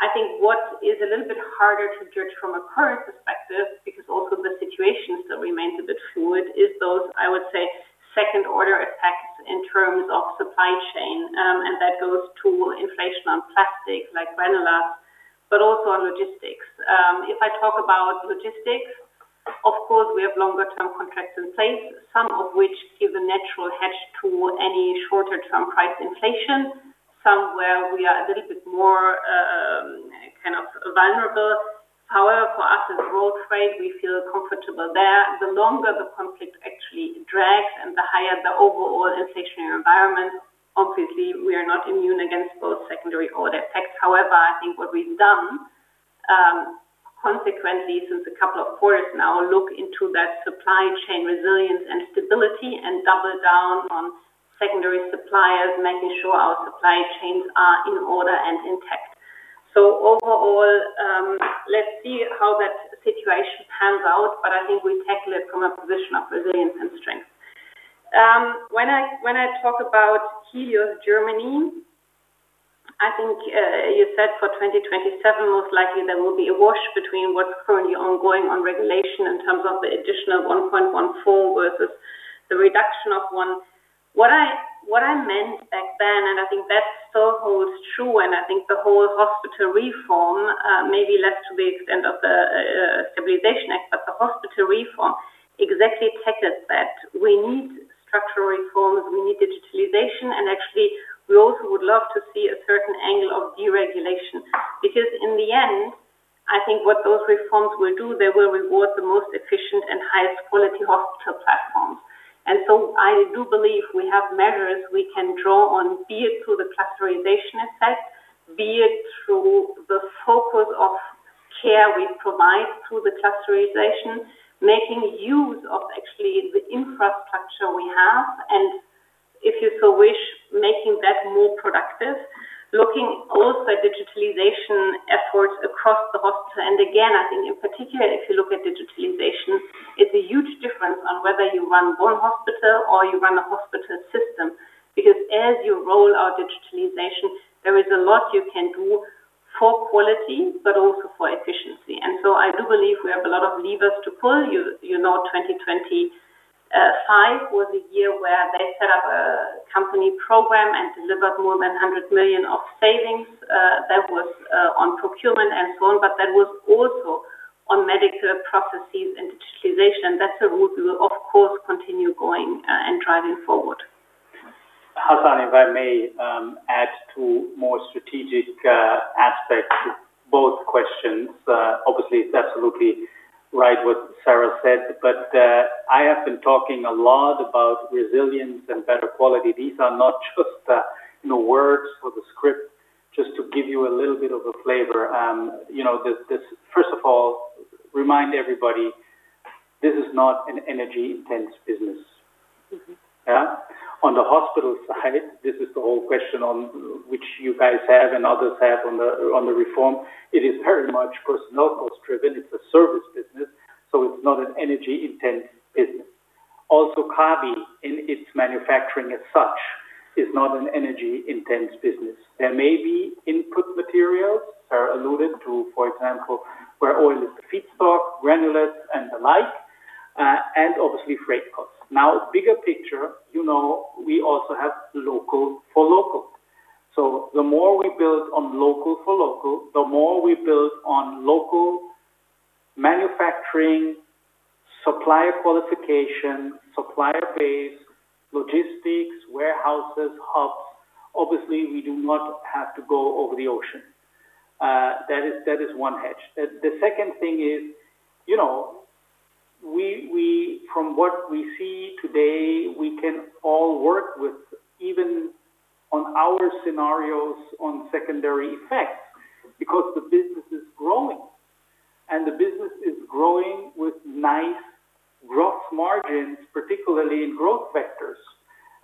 I think what is a little bit harder to judge from a current perspective, because also the situation still remains a bit fluid, is those, I would say, second order effects in terms of supply chain, and that goes to inflation on plastics like vinyls, but also on logistics. If I talk about logistics, of course, we have longer term contracts in place, some of which give a natural hedge to any shorter term price inflation. Some where we are a little bit more kind of vulnerable. For us as world trade, we feel comfortable there. The longer the conflict actually drags and the higher the overall inflationary environment, obviously, we are not immune against those secondary order effects. I think what we've done, consequently since a couple of quarters now, look into that supply chain resilience and stability and double down on secondary suppliers, making sure our supply chains are in order and intact. Overall, let's see how that situation pans out, I think we tackle it from a position of resilience and strength. When I talk about Helios Germany, I think you said for 2027, most likely there will be a wash between what's currently ongoing on regulation in terms of the additional 1.14 versus the reduction of one. What I meant back then, and I think that still holds true, and I think the whole hospital reform, maybe less to the extent of the Stabilization Act, but the hospital reform exactly tackles that. We need structural reforms. We need digitalization. Actually, we also would love to see a certain angle of deregulation. In the end, I think what those reforms will do, they will reward the most efficient and highest quality hospital platforms. I do believe we have measures we can draw on, be it through the clusterization effect, be it through the focus of care we provide through the clusterization, making use of actually the infrastructure we have, and if you so wish, making that more productive, looking also at digitalization efforts across the hospital. Again, I think in particular, if you look at digitalization, it's a huge difference on whether you run one hospital or you run a hospital system. As you roll out digitalization, there is a lot you can do for quality, but also for efficiency. I do believe we have a lot of levers to pull. You know, 2025 was a year where they set up a company program and delivered more than 100 million of savings, that was on procurement and so on, but that was also on medical processes and digitalization. That's a route we will, of course, continue going and driving forward. Hassan, if I may, add two more strategic aspects to both questions. Obviously, it's absolutely right what Sara said, I have been talking a lot about resilience and better quality. These are not just, you know, words for the script. Just to give you a little bit of a flavor, you know, first of all, remind everybody this is not an energy intense business. Yeah. On the hospital side, this is the whole question on which you guys have and others have on the reform. It is very much personnel cost driven. It's a service business, so it's not an energy intense business. Also, Kabi, in its manufacturing as such, is not an energy intense business. There may be input materials, Sara alluded to, for example, where oil is the feedstock, granules and the like, and obviously freight costs. Bigger picture, you know we also have local for local. The more we build on local for local, the more we build on local manufacturing, supplier qualification, supplier base, logistics, warehouses, hubs, obviously we do not have to go over the ocean. That is one hedge. The second thing is, you know, we from what we see today, we can all work with even on our scenarios on secondary effects because the business is growing. The business is growing with nice gross margins, particularly in Growth Vectors.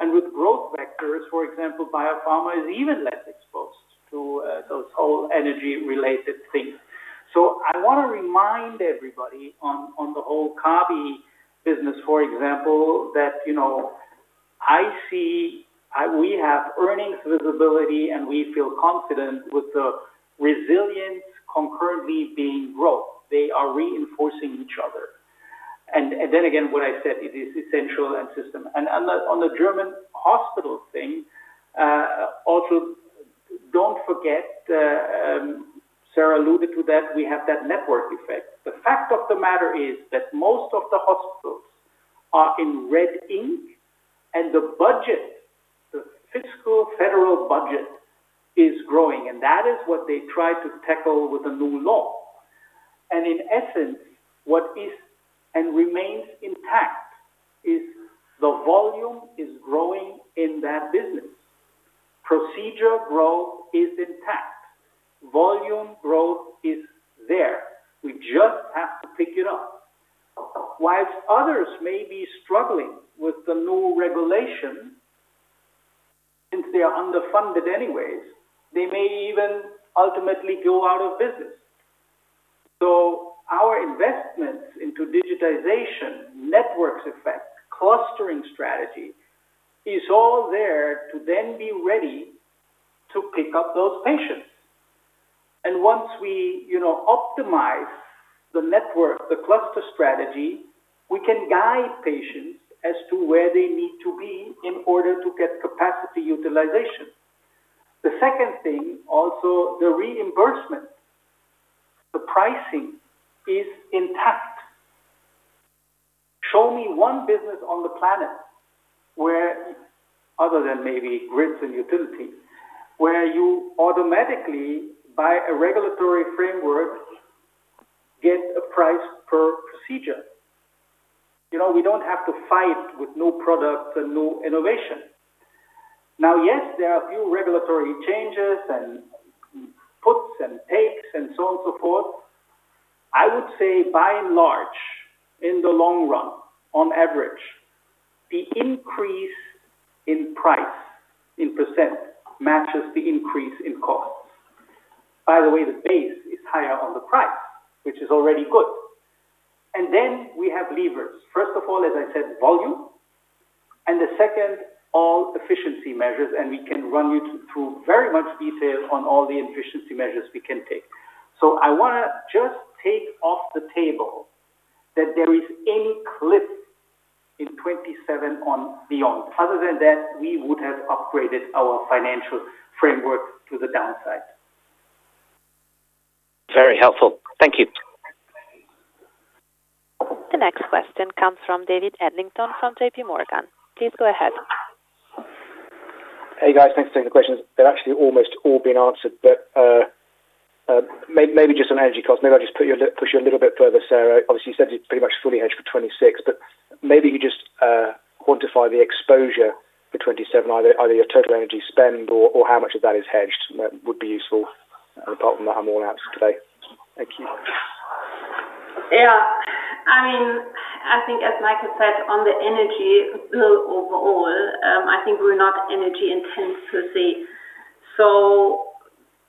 With Growth Vectors, for example, biopharma is even less exposed to those whole energy related things. I want to remind everybody on the whole Kabi business, for example, that, you know, we have earnings visibility, and we feel confident with the resilience concurrently being growth. They are reinforcing each other. Then again, what I said, it is essential and system. On the German hospital thing, also don't forget, Sara Hennicken alluded to that we have that network effect. The fact of the matter is that most of the hospitals are in red ink, and the budget, the fiscal federal budget is growing, and that is what they try to tackle with the new law. In essence, what is and remains intact is the volume is growing in that business. Procedure growth is intact. Volume growth is there. We just have to pick it up. While others may be struggling with the new regulation since they are underfunded anyways, they may even ultimately go out of business. Our investments into digitization, network effect, clustering strategy is all there to then be ready to pick up those patients. Once we, you know, optimize the network, the cluster strategy, we can guide patients as to where they need to be in order to get capacity utilization. The second thing, also the reimbursement, the pricing is intact. Show me one business on the planet where, other than maybe grids and utility, where you automatically, by a regulatory framework, get a price per procedure. You know, we don't have to fight with new products and new innovation. Yes, there are a few regulatory changes and puts and takes and so on, so forth. I would say by and large, in the long run, on average, the increase in price in % matches the increase in costs. By the way, the base is higher on the price, which is already good. We have levers. First of all, as I said, volume, and the second, all efficiency measures, and we can run you through very much detail on all the efficiency measures we can take. I want to just take off the table that there is any cliff in 27 on beyond. Other than that, we would have upgraded our financial framework to the downside. Very helpful. Thank you. The next question comes from David Adlington from JPMorgan. Please go ahead. Hey, guys. Thanks for taking the questions. They're actually almost all been answered. Maybe just on energy costs, maybe I'll just push you a little bit further, Sara. Obviously, you said it's pretty much fully hedged for 2026, maybe you just quantify the exposure for 2027, either your total energy spend or how much of that is hedged. That would be useful. Apart from that, I'm all answered today. Thank you. Yeah. I mean, I think as Michael said on the energy bill overall, I think we're not energy intense, per se.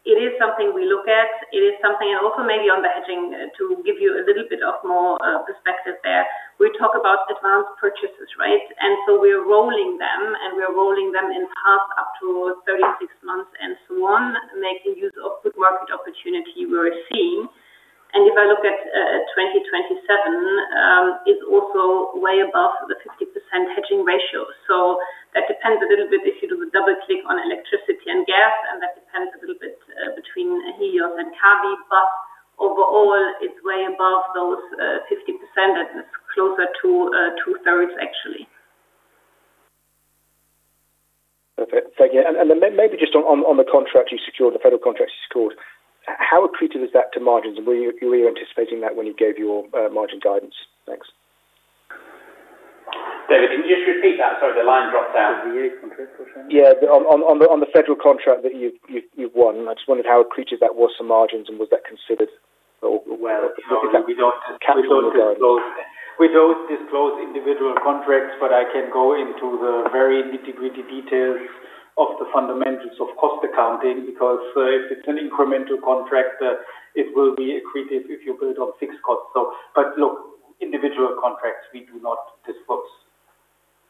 It is something we look at. It is something also maybe on the hedging to give you a little bit of more perspective there. We talk about advanced purchases, right? We're rolling them, and we're rolling them in half up to 36 months and so on, making use of good market opportunity we're seeing. If I look at 2027, it's also way above the 50% hedging ratio. That depends a little bit if you do the double click on electricity and gas, and that depends a little bit between Helios and Kabi. Overall, it's way above those 50%. It's closer to two-thirds, actually. Thank you. Maybe just on the contract you secured, the federal contract you secured, how accretive is that to margins? Were you anticipating that when you gave your margin guidance? Thanks. David, can you just repeat that? Sorry, the line dropped out. The U.S. contract, you're saying? Yeah. On the federal contract that you've won. I just wondered how accretive that was to margins, and was that considered? Well, no. We don't. Look at that capital guidance. we don't disclose individual contracts, but I can go into the very nitty-gritty details of the fundamentals of cost accounting because if it's an incremental contract, it will be accretive if you build on fixed costs. Look, individual contracts we do not disclose.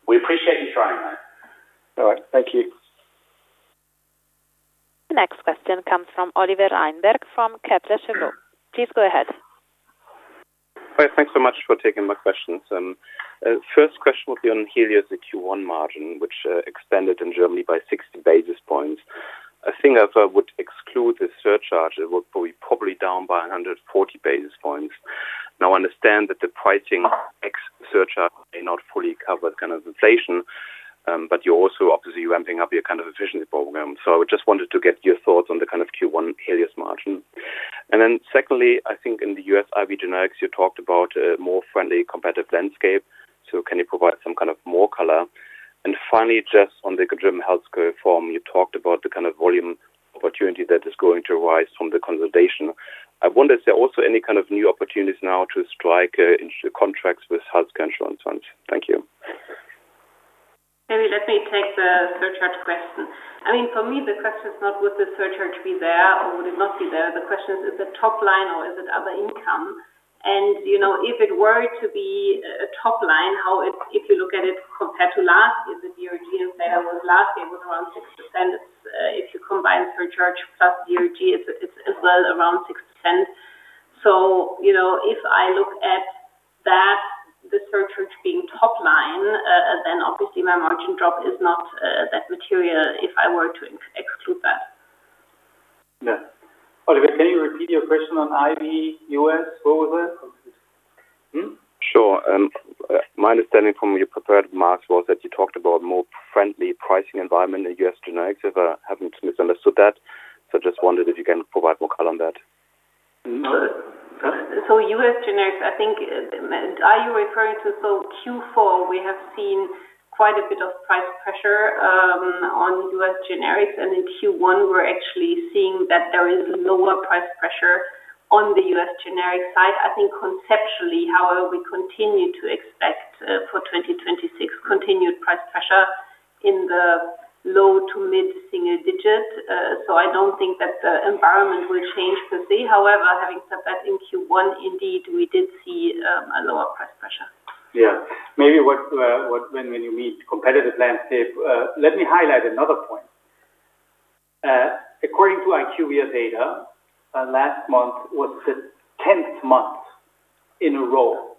We appreciate you trying that. All right. Thank you. The next question comes from Oliver Reinberg from Kepler Cheuvreux. Please go ahead. Hi. Thanks so much for taking my questions. First question will be on Helios, the Q1 margin, which expanded in Germany by 60 basis points. I think as I would exclude the surcharge, it was probably down by 140 basis points. Now I understand that the pricing ex surcharge may not fully cover kind of inflation, but you're also obviously ramping up your kind of efficiency program. I just wanted to get your thoughts on the kind of Q1 Helios margin. Then secondly, I think in the U.S. IV generics, you talked about a more friendly competitive landscape, can you provide some kind of more color? Finally, just on the German healthcare reform, you talked about the kind of volume opportunity that is going to arise from the consolidation. I wonder, is there also any kind of new opportunities now to strike contracts with health insurance funds? Thank you. Maybe let me take the surcharge question. I mean, for me, the question is not would the surcharge be there or would it not be there? The question is it top line or is it other income? You know, if it were to be a top line, if you look at it compared to last, if the DRG was there was last, it was around 6%. It's, if you combine surcharge plus DRG, it's as well around 6%. You know, if I look at that, the surcharge being top line, then obviously my margin drop is not that material if I were to exclude that. Yeah. Oliver, can you repeat your question on IV U.S.? What was that? Hmm? Sure. My understanding from your prepared remarks was that you talked about more friendly pricing environment in U.S. generics if I haven't misunderstood that. Just wondered if you can provide more color on that. No. U.S. generics, I think, are you referring to Q4, we have seen quite a bit of price pressure on U.S. generics, and in Q1, we're actually seeing that there is lower price pressure on the U.S. generic side. I think conceptually, however, we continue to expect for 2026 continued price pressure in the low to mid-single digits. I don't think that the environment will change per se. However, having said that, in Q1, indeed, we did see a lower price pressure. Yeah. Maybe when you mean competitive landscape, let me highlight another point. According to IQVIA data, last month was the 10th month in a row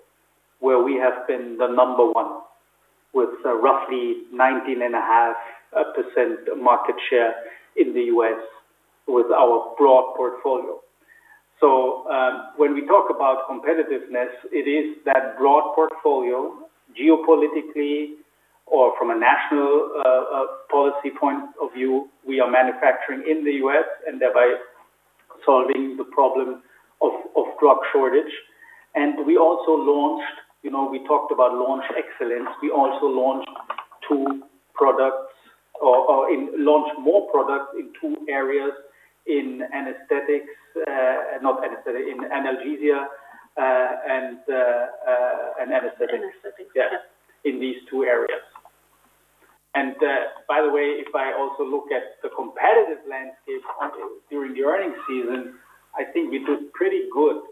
where we have been the number one with roughly 19.5% market share in the U.S. with our broad portfolio. When we talk about competitiveness, it is that broad portfolio geopolitically or from a national policy point of view. We are manufacturing in the U.S. and thereby solving the problem of drug shortage. We also launched, you know, we talked about launch excellence. We also launched two products or launched more products in two areas in anesthetics, not anesthetic, in analgesia, and anesthetic. Anesthetic. Yeah. In these two areas. By the way, if I also look at the competitive landscape during the earnings season, I think we did pretty good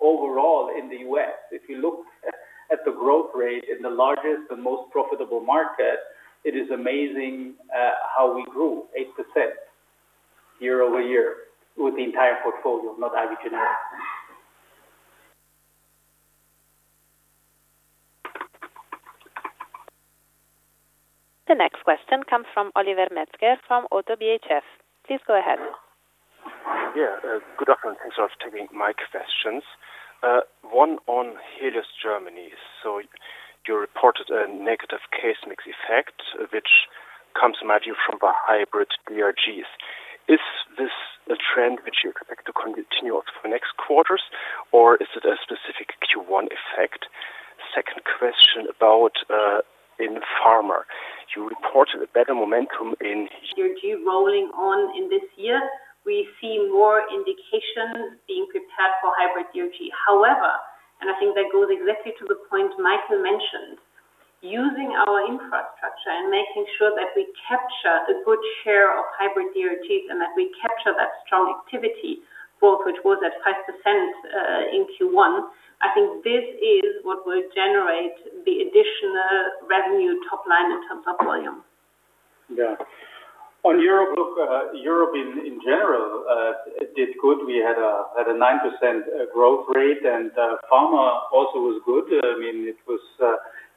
overall in the U.S. If you look at the growth rate in the largest and most profitable market, it is amazing how we grew 8% year-over-year with the entire portfolio, not IV generics. The next question comes from Oliver Metzger from Oddo BHF. Please go ahead. Yeah. Good afternoon. Thanks for taking my questions. One on Helios Germany. You reported a negative case mix effect, which comes mainly from the Hybrid DRGs. Is this a trend which you expect to continue for next quarters, or is it a specific Q1 effect? Second question about in Pharma. You reported a better momentum in. DRG rolling on in this year. We see more indications being prepared for hybrid DRG. However, and I think that goes exactly to the point Michael mentioned, using our infrastructure and making sure that we capture a good share of hybrid DRGs and that we capture that strong activity, both which was at 5%, in Q1, I think this is what will generate the additional revenue top line in terms of volume. Yeah. On Europe, look, Europe in general did good. We had a 9% growth rate, and Pharma also was good. I mean, it was,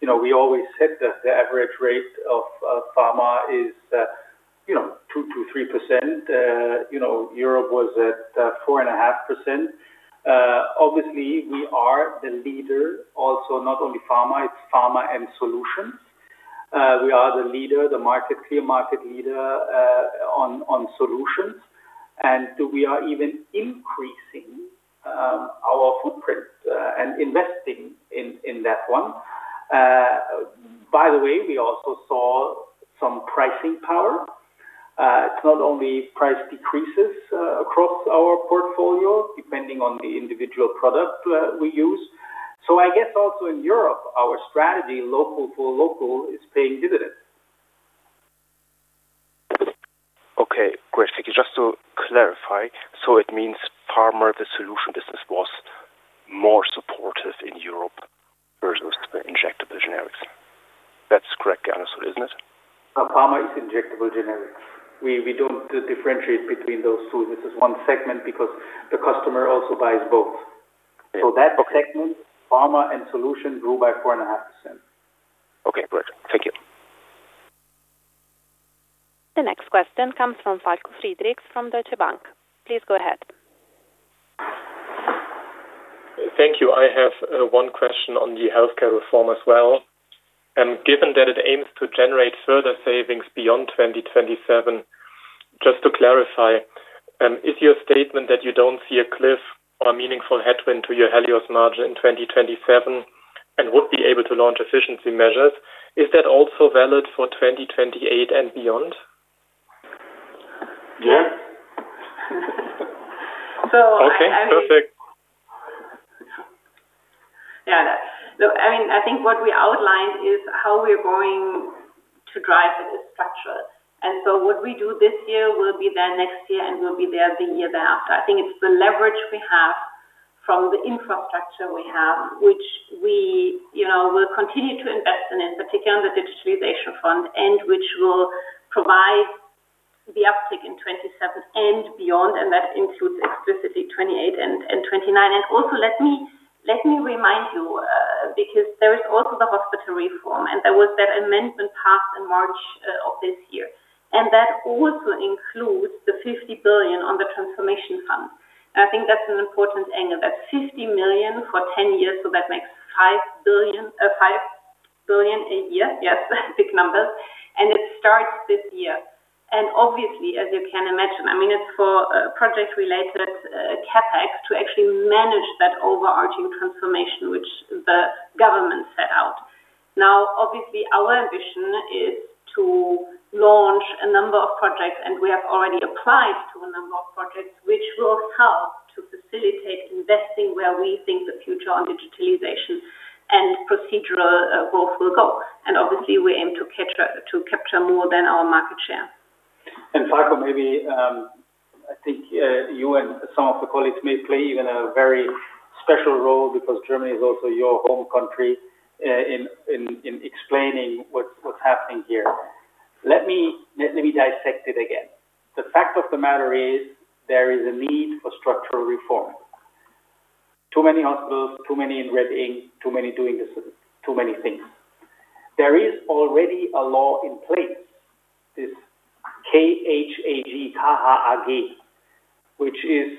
you know, we always said that the average rate of Pharma is, you know, 2%-3%. You know, Europe was at 4.5%. Obviously we are the leader also not only Pharma, it's Pharma and Solutions. We are the leader, the clear market leader, on solutions. We are even increasing our footprint and investing in that one. By the way, we also saw some pricing power. It's not only price decreases across our portfolio depending on the individual product we use. I guess also in Europe, our strategy local for local is paying dividends. Okay, great. Thank you. Just to clarify, it means Pharma, the solution business was more supportive in Europe versus the injectable generics. That's correct, as business? No, Pharma is injectable generics. We don't differentiate between those two. This is one segment because the customer also buys both. Okay. That segment, Pharma and Solution, grew by 4.5%. Okay, great. Thank you. The next question comes from Falko Friedrichs from Deutsche Bank. Please go ahead. Thank you. I have one question on the healthcare reform as well. Given that it aims to generate further savings beyond 2027, just to clarify, is your statement that you don't see a cliff or a meaningful headwind to your Helios margin in 2027 and would be able to launch efficiency measures, is that also valid for 2028 and beyond? Yeah. So I mean- Okay, perfect. No, I mean, I think what we outlined is how we're going to drive it as structural. What we do this year will be there next year, and we'll be there the year after. I think it's the leverage we have from the infrastructure we have, which we, you know, will continue to invest in particular on the digitalization fund, and which will provide the uptick in 2027 and beyond. That includes explicitly 2028 and 2029. Also let me remind you, because there is also the hospital reform, and there was that amendment passed in March of this year. That also includes the 50 billion on the transformation fund. I think that's an important angle. That's 50 million for 10 years, that makes 5 billion a year. Yes, big numbers. It starts this year. Obviously, as you can imagine, I mean, it's for project-related CapEx to actually manage that overarching transformation which the government set out. Obviously, our ambition is to launch a number of projects, and we have already applied to a number of projects which will help to facilitate investing where we think the future on digitalization and procedural growth will go. Obviously, we aim to capture more than our market share. Falko, maybe, I think, you and some of the colleagues may play even a very special role because Germany is also your home country, in explaining what's happening here. Let me dissect it again. The fact of the matter is there is a need for structural reform. Too many hospitals, too many in red ink, too many doing this, too many things. There is already a law in place, this K-H-A-G, KHAG, which is,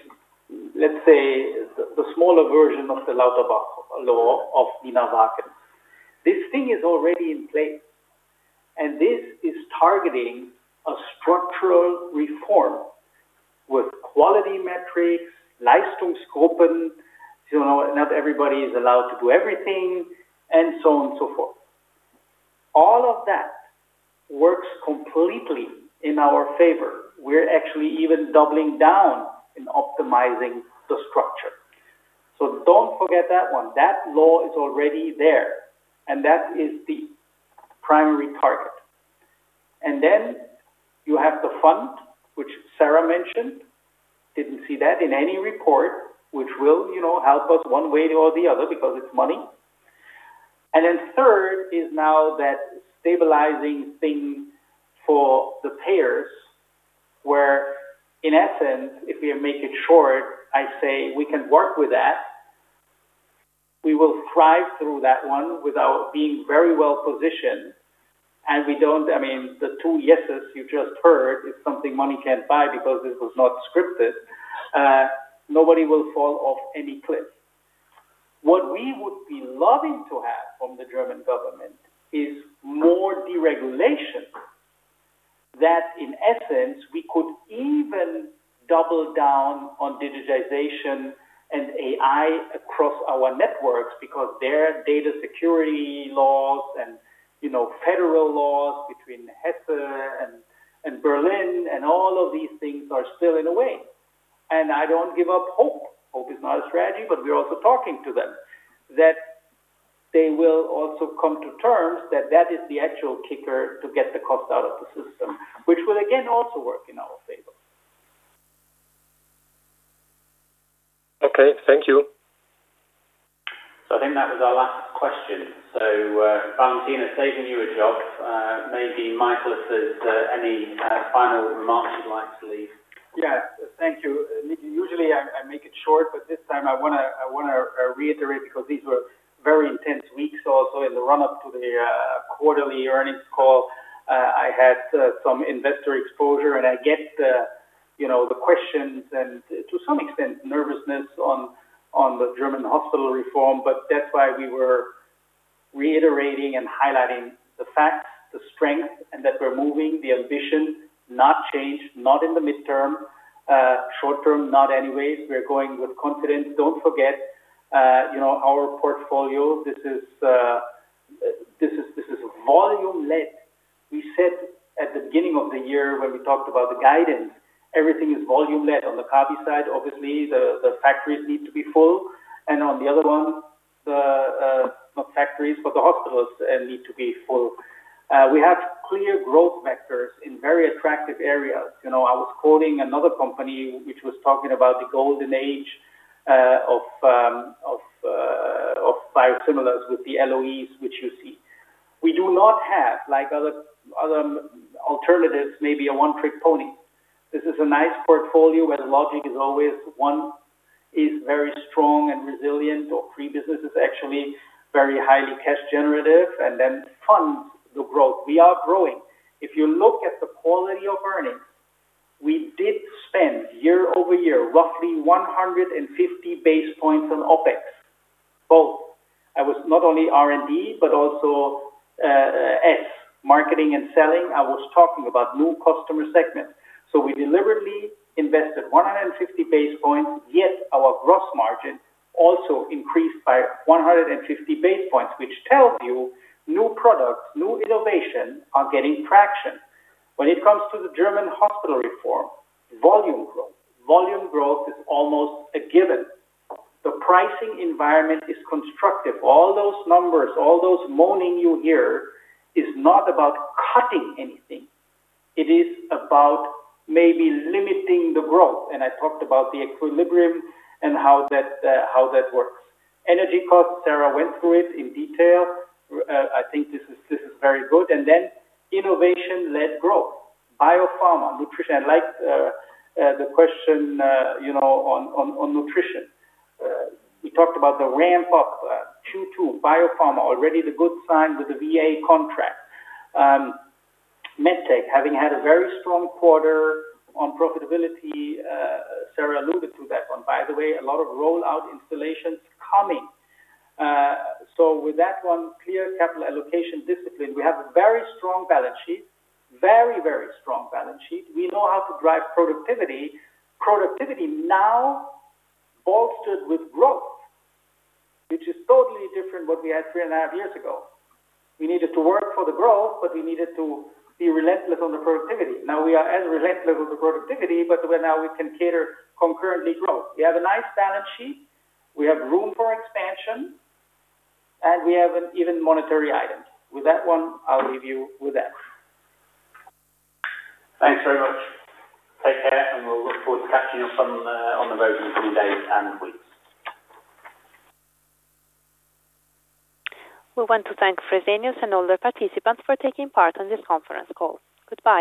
let's say, the smaller version of the Lauterbach Law of Nina Warken. This thing is already in place. This is targeting a structural reform with quality metrics, you know, not everybody is allowed to do everything, and so on and so forth. All of that works completely in our favor. We're actually even doubling down in optimizing the structure. Don't forget that one. That law is already there, and that is the primary target. Then you have the fund, which Sara mentioned. Didn't see that in any report, which will, you know, help us one way or the other because it's money. Then third is now that stabilizing thing for the payers, where in essence, if we make it short, I say we can work with that. We will thrive through that one without being very well-positioned. We don't I mean, the two yeses you just heard is something money can't buy because this was not scripted. Nobody will fall off any cliff. What we would be loving to have from the German government is more deregulation. In essence, we could even double down on digitization and AI across our networks because their data security laws and, you know, federal laws between Hesse and Berlin and all of these things are still in the way. I don't give up hope. Hope is not a strategy, but we're also talking to them that they will also come to terms that that is the actual kicker to get the cost out of the system, which will again also work in our favor. Okay. Thank you. I think that was our last question. Valentina, saving you a job, maybe Michael Sen, is there any final remarks you'd like to leave? Yeah. Thank you. Usually, I make it short, but this time I wanna reiterate because these were very intense weeks also in the run up to the quarterly earnings call. I had some investor exposure, and I get the, you know, the questions and to some extent nervousness on the German hospital reform, but that's why we were reiterating and highlighting the facts, the strength, and that we're moving the ambition not change, not in the midterm. Short-term not anyways. We are going with confidence. Don't forget, you know, our portfolio this is volume led. We said at the beginning of the year when we talked about the guidance, everything is volume led. On the Kabi side, obviously, the factories need to be full. On the other one, the not factories, but the hospitals, need to be full. We have clear Growth Vectors in very attractive areas. You know, I was quoting another company which was talking about the golden age of biosimilars with the LOEs which you see. We do not have like other alternatives, maybe a one-trick pony. This is a nice portfolio where the logic is always one is very strong and resilient or free business is actually very highly cash generative and then funds the growth. We are growing. If you look at the quality of earnings, we did spend year-over-year roughly 150 basis points on OpEx. Both. I was not only R&D, but also S, marketing and selling. I was talking about new customer segments. We deliberately invested 150 basis points, yet our gross margin also increased by 150 basis points, which tells you new products, new innovation are getting traction. When it comes to the German hospital reform, volume growth. Volume growth is almost a given. The pricing environment is constructive. All those numbers, all those moaning you hear is not about cutting anything. It is about maybe limiting the growth, and I talked about the equilibrium and how that, how that works. Energy costs, Sara went through it in detail. I think this is very good. Innovation led growth. Biopharma, nutrition. I liked, the question, you know, on nutrition. We talked about the ramp-up, two. Biopharma already the good sign with the VA contract. MedTech having had a very strong quarter on profitability, Sara alluded to that one. By the way, a lot of rollout installations coming. With that one clear capital allocation discipline, we have a very strong balance sheet. Very strong balance sheet. We know how to drive productivity. Productivity now bolstered with growth, which is totally different what we had three and a half years ago. We needed to work for the growth, we needed to be relentless on the productivity. Now, we are as relentless with the productivity, where now we can cater concurrently growth. We have a nice balance sheet. We have room for expansion, we have an even monetary item. With that one, I'll leave you with that. Thanks very much. Take care, and we'll look forward to catching you on the road in the coming days and weeks. We want to thank Fresenius and all the participants for taking part in this conference call. Goodbye.